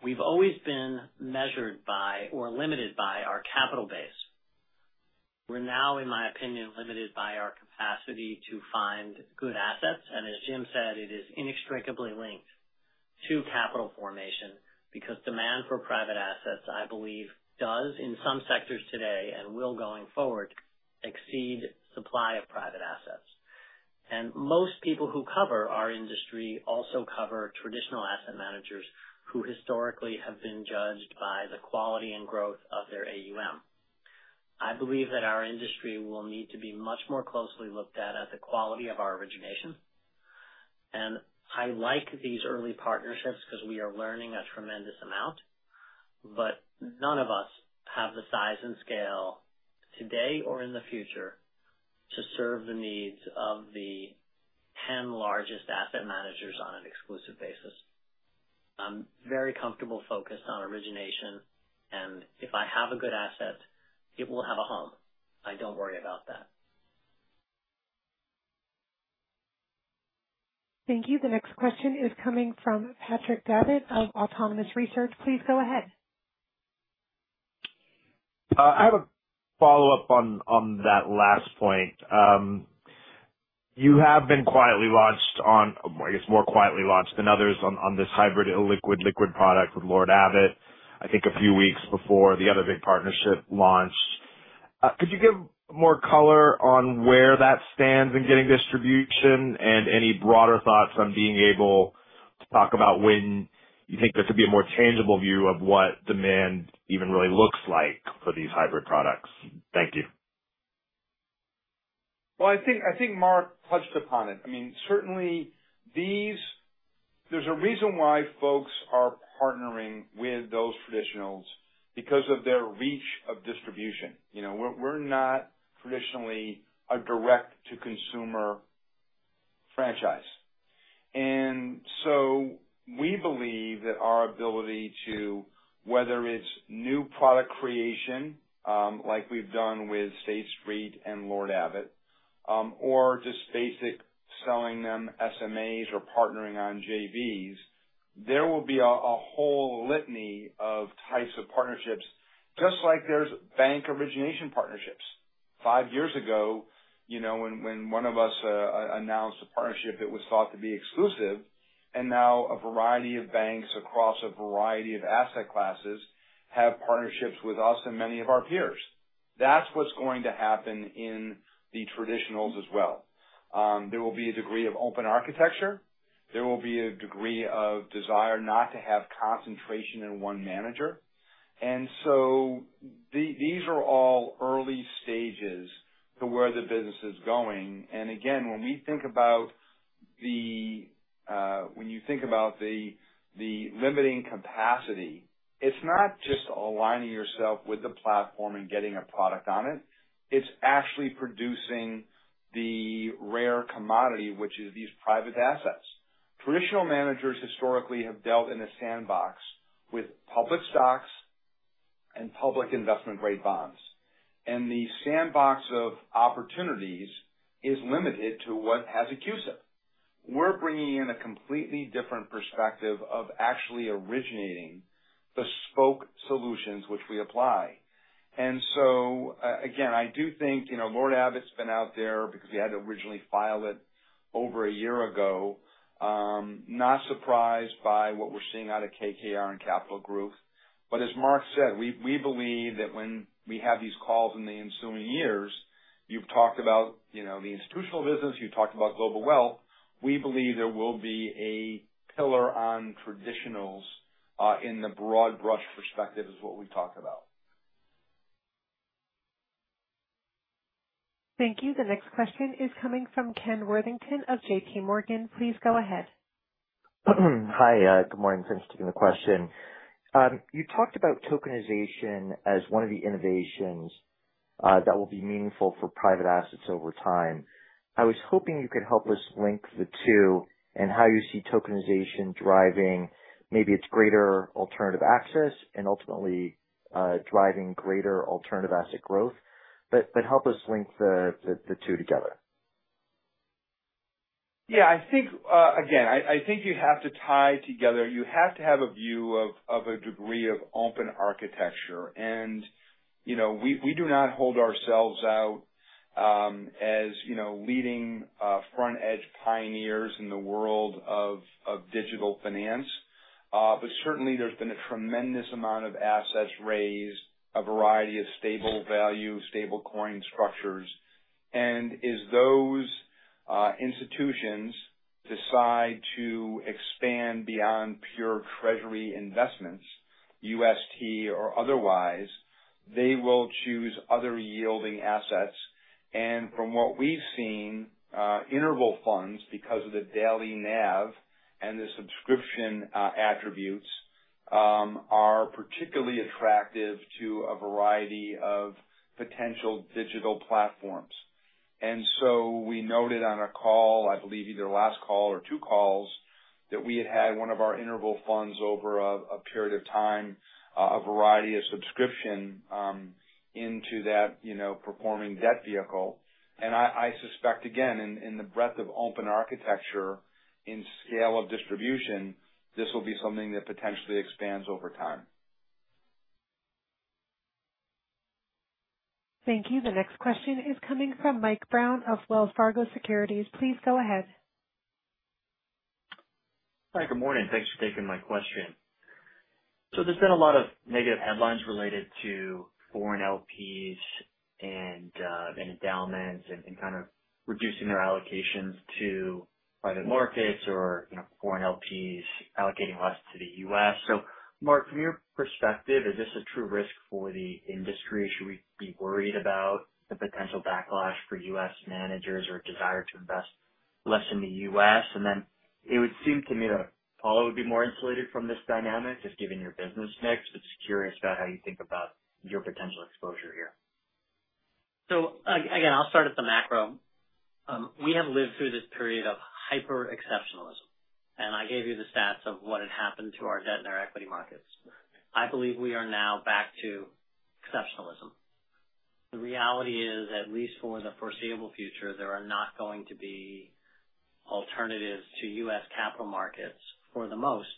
We have always been measured by or limited by our capital base. We are now, in my opinion, limited by our capacity to find good assets. As Jim said, it is inextricably linked to capital formation because demand for private assets, I believe, does in some sectors today and will going forward exceed supply of private assets. Most people who cover our industry also cover traditional asset managers who historically have been judged by the quality and growth of their AUM. I believe that our industry will need to be much more closely looked at at the quality of our origination. I like these early partnerships because we are learning a tremendous amount, but none of us have the size and scale today or in the future to serve the needs of the 10 largest asset managers on an exclusive basis. I'm very comfortable focused on origination, and if I have a good asset, it will have a home. I don't worry about that. Thank you. The next question is coming from Patrick Davitt of Autonomous Research. Please go ahead. I have a follow-up on that last point. You have been quietly launched on, I guess, more quietly launched than others on this hybrid liquid-liquid product with Lord Abbett, I think a few weeks before the other big partnership launched. Could you give more color on where that stands in getting distribution and any broader thoughts on being able to talk about when you think there could be a more tangible view of what demand even really looks like for these hybrid products? Thank you. I think Marc touched upon it. I mean, certainly, there's a reason why folks are partnering with those traditionals because of their reach of distribution. We're not traditionally a direct-to-consumer franchise. We believe that our ability to, whether it's new product creation like we've done with State Street and Lord Abbett or just basic selling them SMAs or partnering on JVs, there will be a whole litany of types of partnerships, just like there's bank origination partnerships. Five years ago, when one of us announced a partnership, it was thought to be exclusive. Now a variety of banks across a variety of asset classes have partnerships with us and many of our peers. That's what's going to happen in the traditionals as well. There will be a degree of open architecture. There will be a degree of desire not to have concentration in one manager. These are all early stages to where the business is going. Again, when we think about the, when you think about the limiting capacity, it's not just aligning yourself with the platform and getting a product on it. It's actually producing the rare commodity, which is these private assets. Traditional managers historically have dealt in a sandbox with public stocks and public investment-grade bonds. The sandbox of opportunities is limited to what has a CUSIP. We're bringing in a completely different perspective of actually originating bespoke solutions, which we apply. Again, I do think Lord Abbett's been out there because we had to originally file it over a year ago. Not surprised by what we're seeing out of KKR and Capital Group. As Marc said, we believe that when we have these calls in the ensuing years, you've talked about the institutional business, you've talked about global wealth. We believe there will be a pillar on traditionals and the broad brush perspective is what we've talked about. Thank you. The next question is coming from Ken Worthington of JPMorgan. Please go ahead. Hi. Good morning. Thanks for taking the question. You talked about tokenization as one of the innovations that will be meaningful for private assets over time. I was hoping you could help us link the two and how you see tokenization driving maybe its greater alternative access and ultimately driving greater alternative asset growth, but help us link the two together. Yeah. Again, I think you have to tie together. You have to have a view of a degree of open architecture. We do not hold ourselves out as leading front-edge pioneers in the world of digital finance. Certainly, there's been a tremendous amount of assets raised, a variety of stable value, stable coin structures. As those institutions decide to expand beyond pure treasury investments, UST or otherwise, they will choose other yielding assets. From what we've seen, interval funds because of the daily NAV and the subscription attributes are particularly attractive to a variety of potential digital platforms. We noted on a call, I believe either last call or two calls, that we had had one of our interval funds over a period of time, a variety of subscription into that performing debt vehicle. I suspect, again, in the breadth of open architecture in scale of distribution, this will be something that potentially expands over time. Thank you. The next question is coming from Mike Brown of Wells Fargo Securities. Please go ahead. Hi. Good morning. Thanks for taking my question. There's been a lot of negative headlines related to foreign LPs and endowments and kind of reducing their allocations to private markets or foreign LPs allocating less to the U.S. Marc, from your perspective, is this a true risk for the industry? Should we be worried about the potential backlash for U.S. managers or desire to invest less in the U.S.? It would seem to me that Apollo would be more insulated from this dynamic just given your business mix, but just curious about how you think about your potential exposure here. I'll start at the macro. We have lived through this period of hyper-exceptionalism. I gave you the stats of what had happened to our debt and our equity markets. I believe we are now back to exceptionalism. The reality is, at least for the foreseeable future, there are not going to be alternatives to U.S. capital markets for the most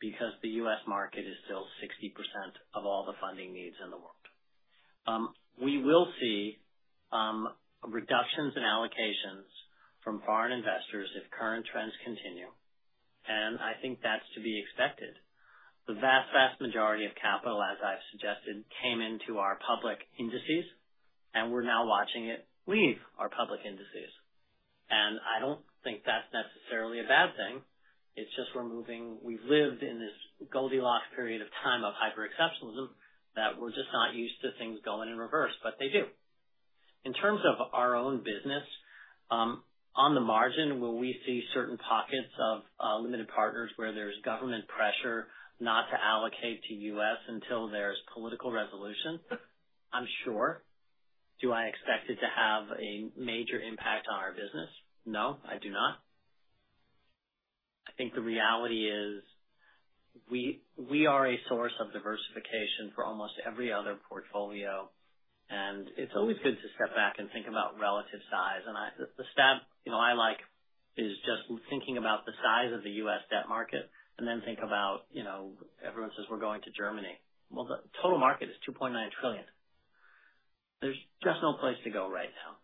because the U.S. market is still 60% of all the funding needs in the world. We will see reductions in allocations from foreign investors if current trends continue. I think that's to be expected. The vast, vast majority of capital, as I've suggested, came into our public indices, and we're now watching it leave our public indices. I don't think that's necessarily a bad thing. It's just we're moving. We've lived in this Goldilocks period of time of hyper-exceptionalism that we're just not used to things going in reverse, but they do. In terms of our own business, on the margin, will we see certain pockets of limited partners where there's government pressure not to allocate to the U.S. until there's political resolution? I'm sure. Do I expect it to have a major impact on our business? No, I do not. I think the reality is we are a source of diversification for almost every other portfolio. It's always good to step back and think about relative size. The stat I like is just thinking about the size of the U.S. debt market and then think about everyone says we're going to Germany. The total market is $2.9 trillion. There's just no place to go right now.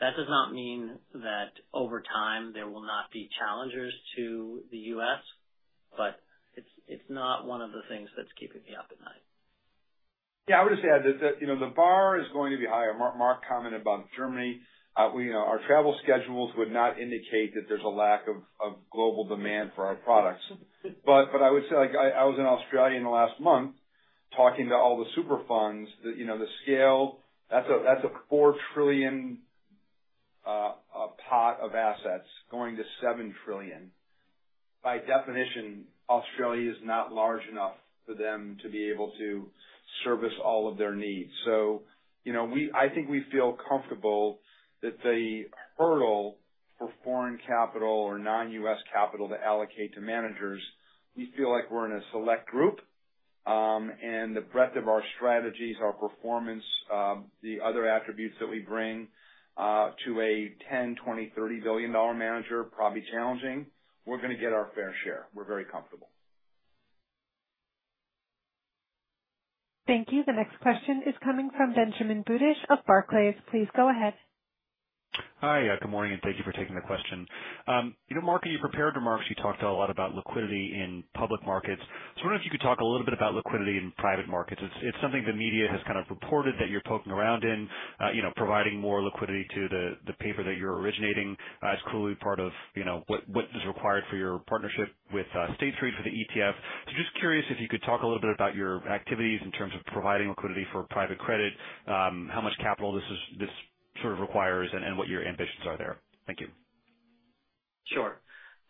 That does not mean that over time there will not be challengers to the U.S., but it's not one of the things that's keeping me up at night. Yeah. I would just add that the bar is going to be higher. Marc commented about Germany. Our travel schedules would not indicate that there's a lack of global demand for our products. I would say I was in Australia in the last month talking to all the super funds. The scale, that's a $4 trillion pot of assets going to $7 trillion. By definition, Australia is not large enough for them to be able to service all of their needs. I think we feel comfortable that the hurdle for foreign capital or non-U.S. capital to allocate to managers, we feel like we're in a select group. The breadth of our strategies, our performance, the other attributes that we bring to a $10 billion, $20 billion, $30 billion manager probably challenging. We're going to get our fair share. We're very comfortable. Thank you. The next question is coming from Benjamin Budish of Barclays. Please go ahead. Hi. Good morning. Thank you for taking the question. Marc, in your prepared remarks, you talked a lot about liquidity in public markets. I wonder if you could talk a little bit about liquidity in private markets. It's something the media has kind of reported that you're poking around in, providing more liquidity to the paper that you're originating as clearly part of what is required for your partnership with State Street for the ETF. Just curious if you could talk a little bit about your activities in terms of providing liquidity for private credit, how much capital this sort of requires, and what your ambitions are there. Thank you. Sure.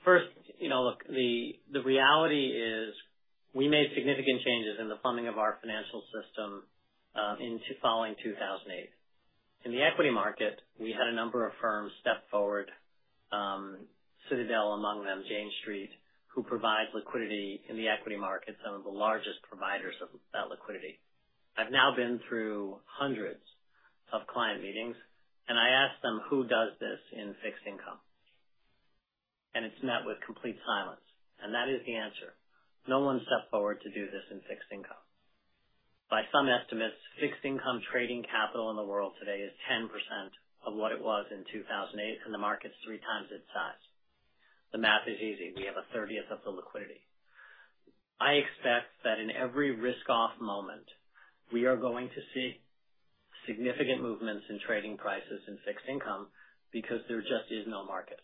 First, look, the reality is we made significant changes in the funding of our financial system following 2008. In the equity market, we had a number of firms step forward, Citadel among them, Jane Street, who provide liquidity in the equity market, some of the largest providers of that liquidity. I have now been through hundreds of client meetings, and I asked them, "Who does this in fixed income?" It is met with complete silence. That is the answer. No one stepped forward to do this in fixed income. By some estimates, fixed income trading capital in the world today is 10% of what it was in 2008, and the market is three times its size. The math is easy. We have a 30th of the liquidity. I expect that in every risk-off moment, we are going to see significant movements in trading prices in fixed income because there just is no market.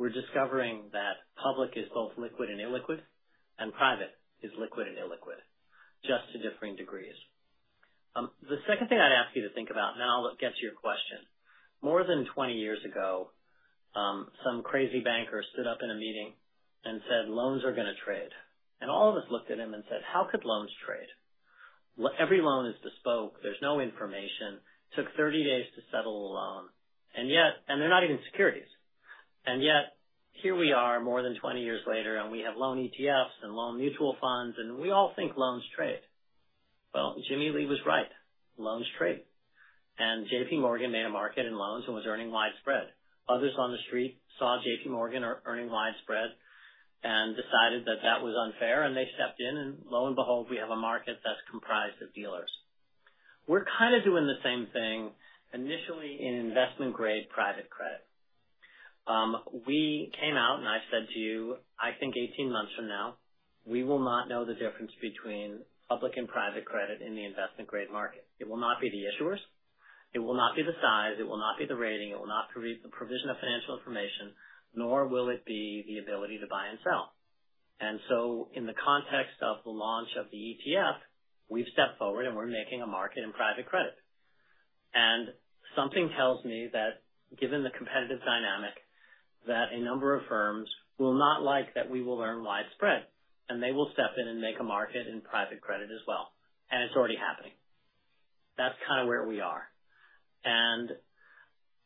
We're discovering that public is both liquid and illiquid, and private is liquid and illiquid, just to differing degrees. The second thing I'd ask you to think about, and then I'll get to your question. More than 20 years ago, some crazy banker stood up in a meeting and said, "Loans are going to trade." All of us looked at him and said, "How could loans trade? Every loan is bespoke. There's no information. Took 30 days to settle a loan." They're not even securities. Yet here we are more than 20 years later, and we have loan ETFs and loan mutual funds, and we all think loans trade. Jimmy Lee was right. Loans trade. JPMorgan made a market in loans and was earning widespread. Others on the street saw JPMorgan earning widespread and decided that that was unfair, and they stepped in. Lo and behold, we have a market that's comprised of dealers. We're kind of doing the same thing initially in investment-grade private credit. We came out, and I've said to you, I think 18 months from now, we will not know the difference between public and private credit in the investment-grade market. It will not be the issuers. It will not be the size. It will not be the rating. It will not be the provision of financial information, nor will it be the ability to buy and sell. In the context of the launch of the ETF, we've stepped forward, and we're making a market in private credit. Something tells me that given the competitive dynamic, that a number of firms will not like that we will earn widespread, and they will step in and make a market in private credit as well. It's already happening. That's kind of where we are.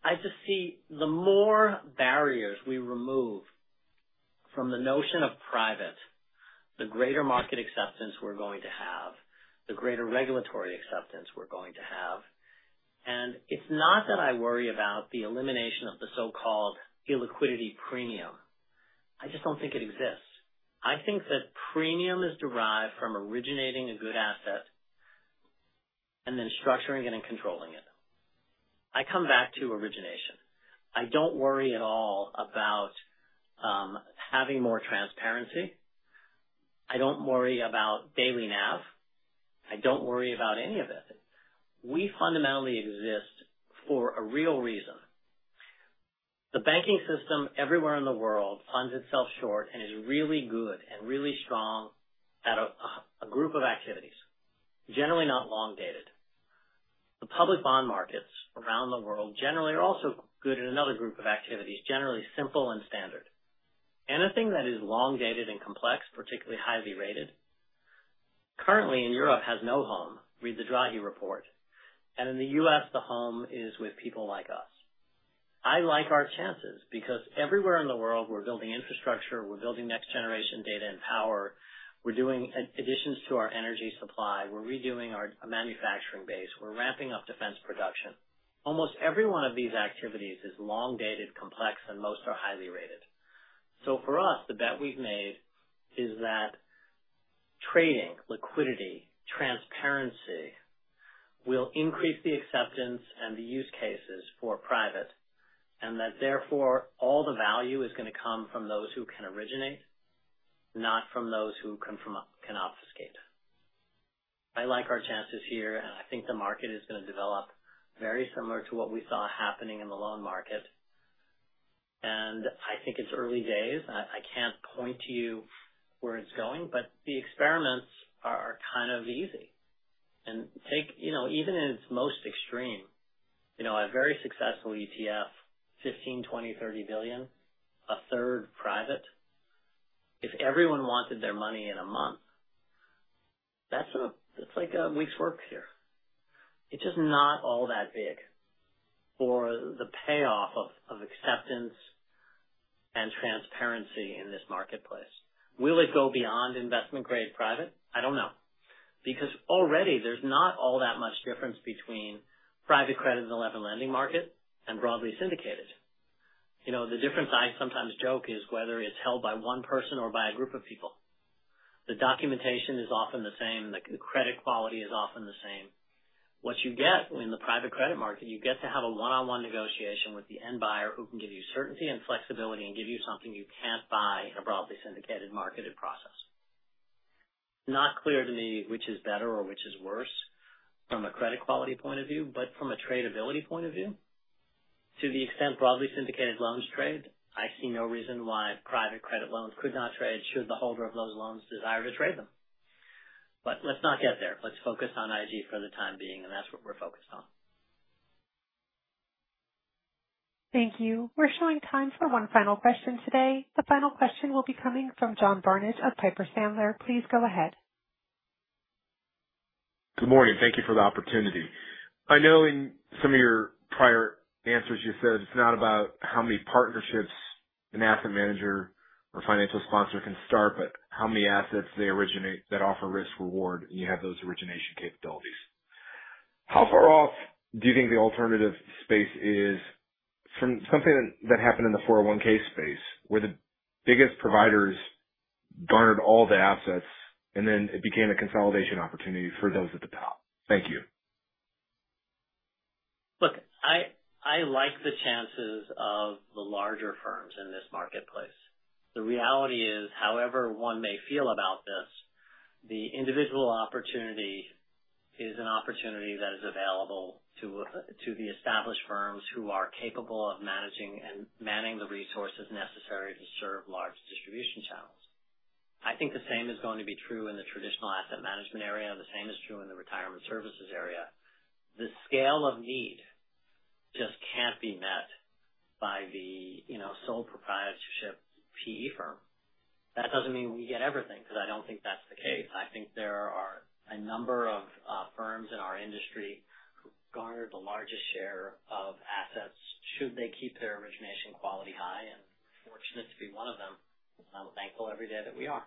I just see the more barriers we remove from the notion of private, the greater market acceptance we're going to have, the greater regulatory acceptance we're going to have. It's not that I worry about the elimination of the so-called illiquidity premium. I just don't think it exists. I think that premium is derived from originating a good asset and then structuring it and controlling it. I come back to origination. I don't worry at all about having more transparency. I don't worry about daily NAV. I don't worry about any of it. We fundamentally exist for a real reason. The banking system everywhere in the world funds itself short and is really good and really strong at a group of activities, generally not long-dated. The public bond markets around the world generally are also good at another group of activities, generally simple and standard. Anything that is long-dated and complex, particularly highly rated, currently in Europe has no home, read the Drahi report. In the U.S., the home is with people like us. I like our chances because everywhere in the world, we're building infrastructure. We're building next-generation data and power. We're doing additions to our energy supply. We're redoing our manufacturing base. We're ramping up defense production. Almost every one of these activities is long-dated, complex, and most are highly rated. For us, the bet we've made is that trading, liquidity, transparency will increase the acceptance and the use cases for private, and that therefore all the value is going to come from those who can originate, not from those who can obfuscate. I like our chances here, and I think the market is going to develop very similar to what we saw happening in the loan market. I think it's early days. I can't point to you where it's going, but the experiments are kind of easy. Even in its most extreme, a very successful ETF, $15 billion, $20 billion, $30 billion, a third private, if everyone wanted their money in a month, that's like a week's work here. It's just not all that big for the payoff of acceptance and transparency in this marketplace. Will it go beyond investment-grade private? I don't know. Because already, there's not all that much difference between private credit and the lever lending market and broadly syndicated. The difference I sometimes joke is whether it's held by one person or by a group of people. The documentation is often the same. The credit quality is often the same. What you get in the private credit market, you get to have a one-on-one negotiation with the end buyer who can give you certainty and flexibility and give you something you can't buy in a broadly syndicated marketed process. Not clear to me which is better or which is worse from a credit quality point of view, but from a tradability point of view. To the extent broadly syndicated loans trade, I see no reason why private credit loans could not trade should the holder of those loans desire to trade them. Let's not get there. Let's focus on IG for the time being, and that's what we're focused on. Thank you. We're showing time for one final question today. The final question will be coming from John Barnidge of Piper Sandler. Please go ahead. Good morning. Thank you for the opportunity. I know in some of your prior answers, you said it's not about how many partnerships an asset manager or financial sponsor can start, but how many assets they originate that offer risk-reward, and you have those origination capabilities. How far off do you think the alternative space is from something that happened in the 401(k) space where the biggest providers garnered all the assets, and then it became a consolidation opportunity for those at the top? Thank you. Look, I like the chances of the larger firms in this marketplace. The reality is, however one may feel about this, the individual opportunity is an opportunity that is available to the established firms who are capable of managing and manning the resources necessary to serve large distribution channels. I think the same is going to be true in the traditional asset management area. The same is true in the retirement services area. The scale of need just cannot be met by the sole proprietorship PE firm. That does not mean we get everything because I do not think that is the case. I think there are a number of firms in our industry who garnered the largest share of assets should they keep their origination quality high. Fortunate to be one of them, I am thankful every day that we are.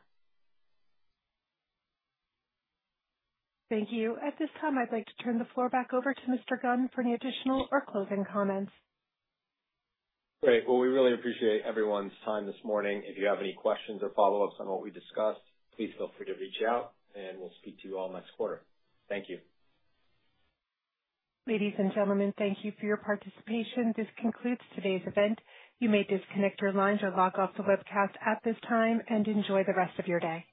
Thank you. At this time, I'd like to turn the floor back over to Mr. Gunn for any additional or closing comments. Great. We really appreciate everyone's time this morning. If you have any questions or follow-ups on what we discussed, please feel free to reach out, and we'll speak to you all next quarter. Thank you. Ladies and gentlemen, thank you for your participation. This concludes today's event. You may disconnect your lines or log off the webcast at this time and enjoy the rest of your day.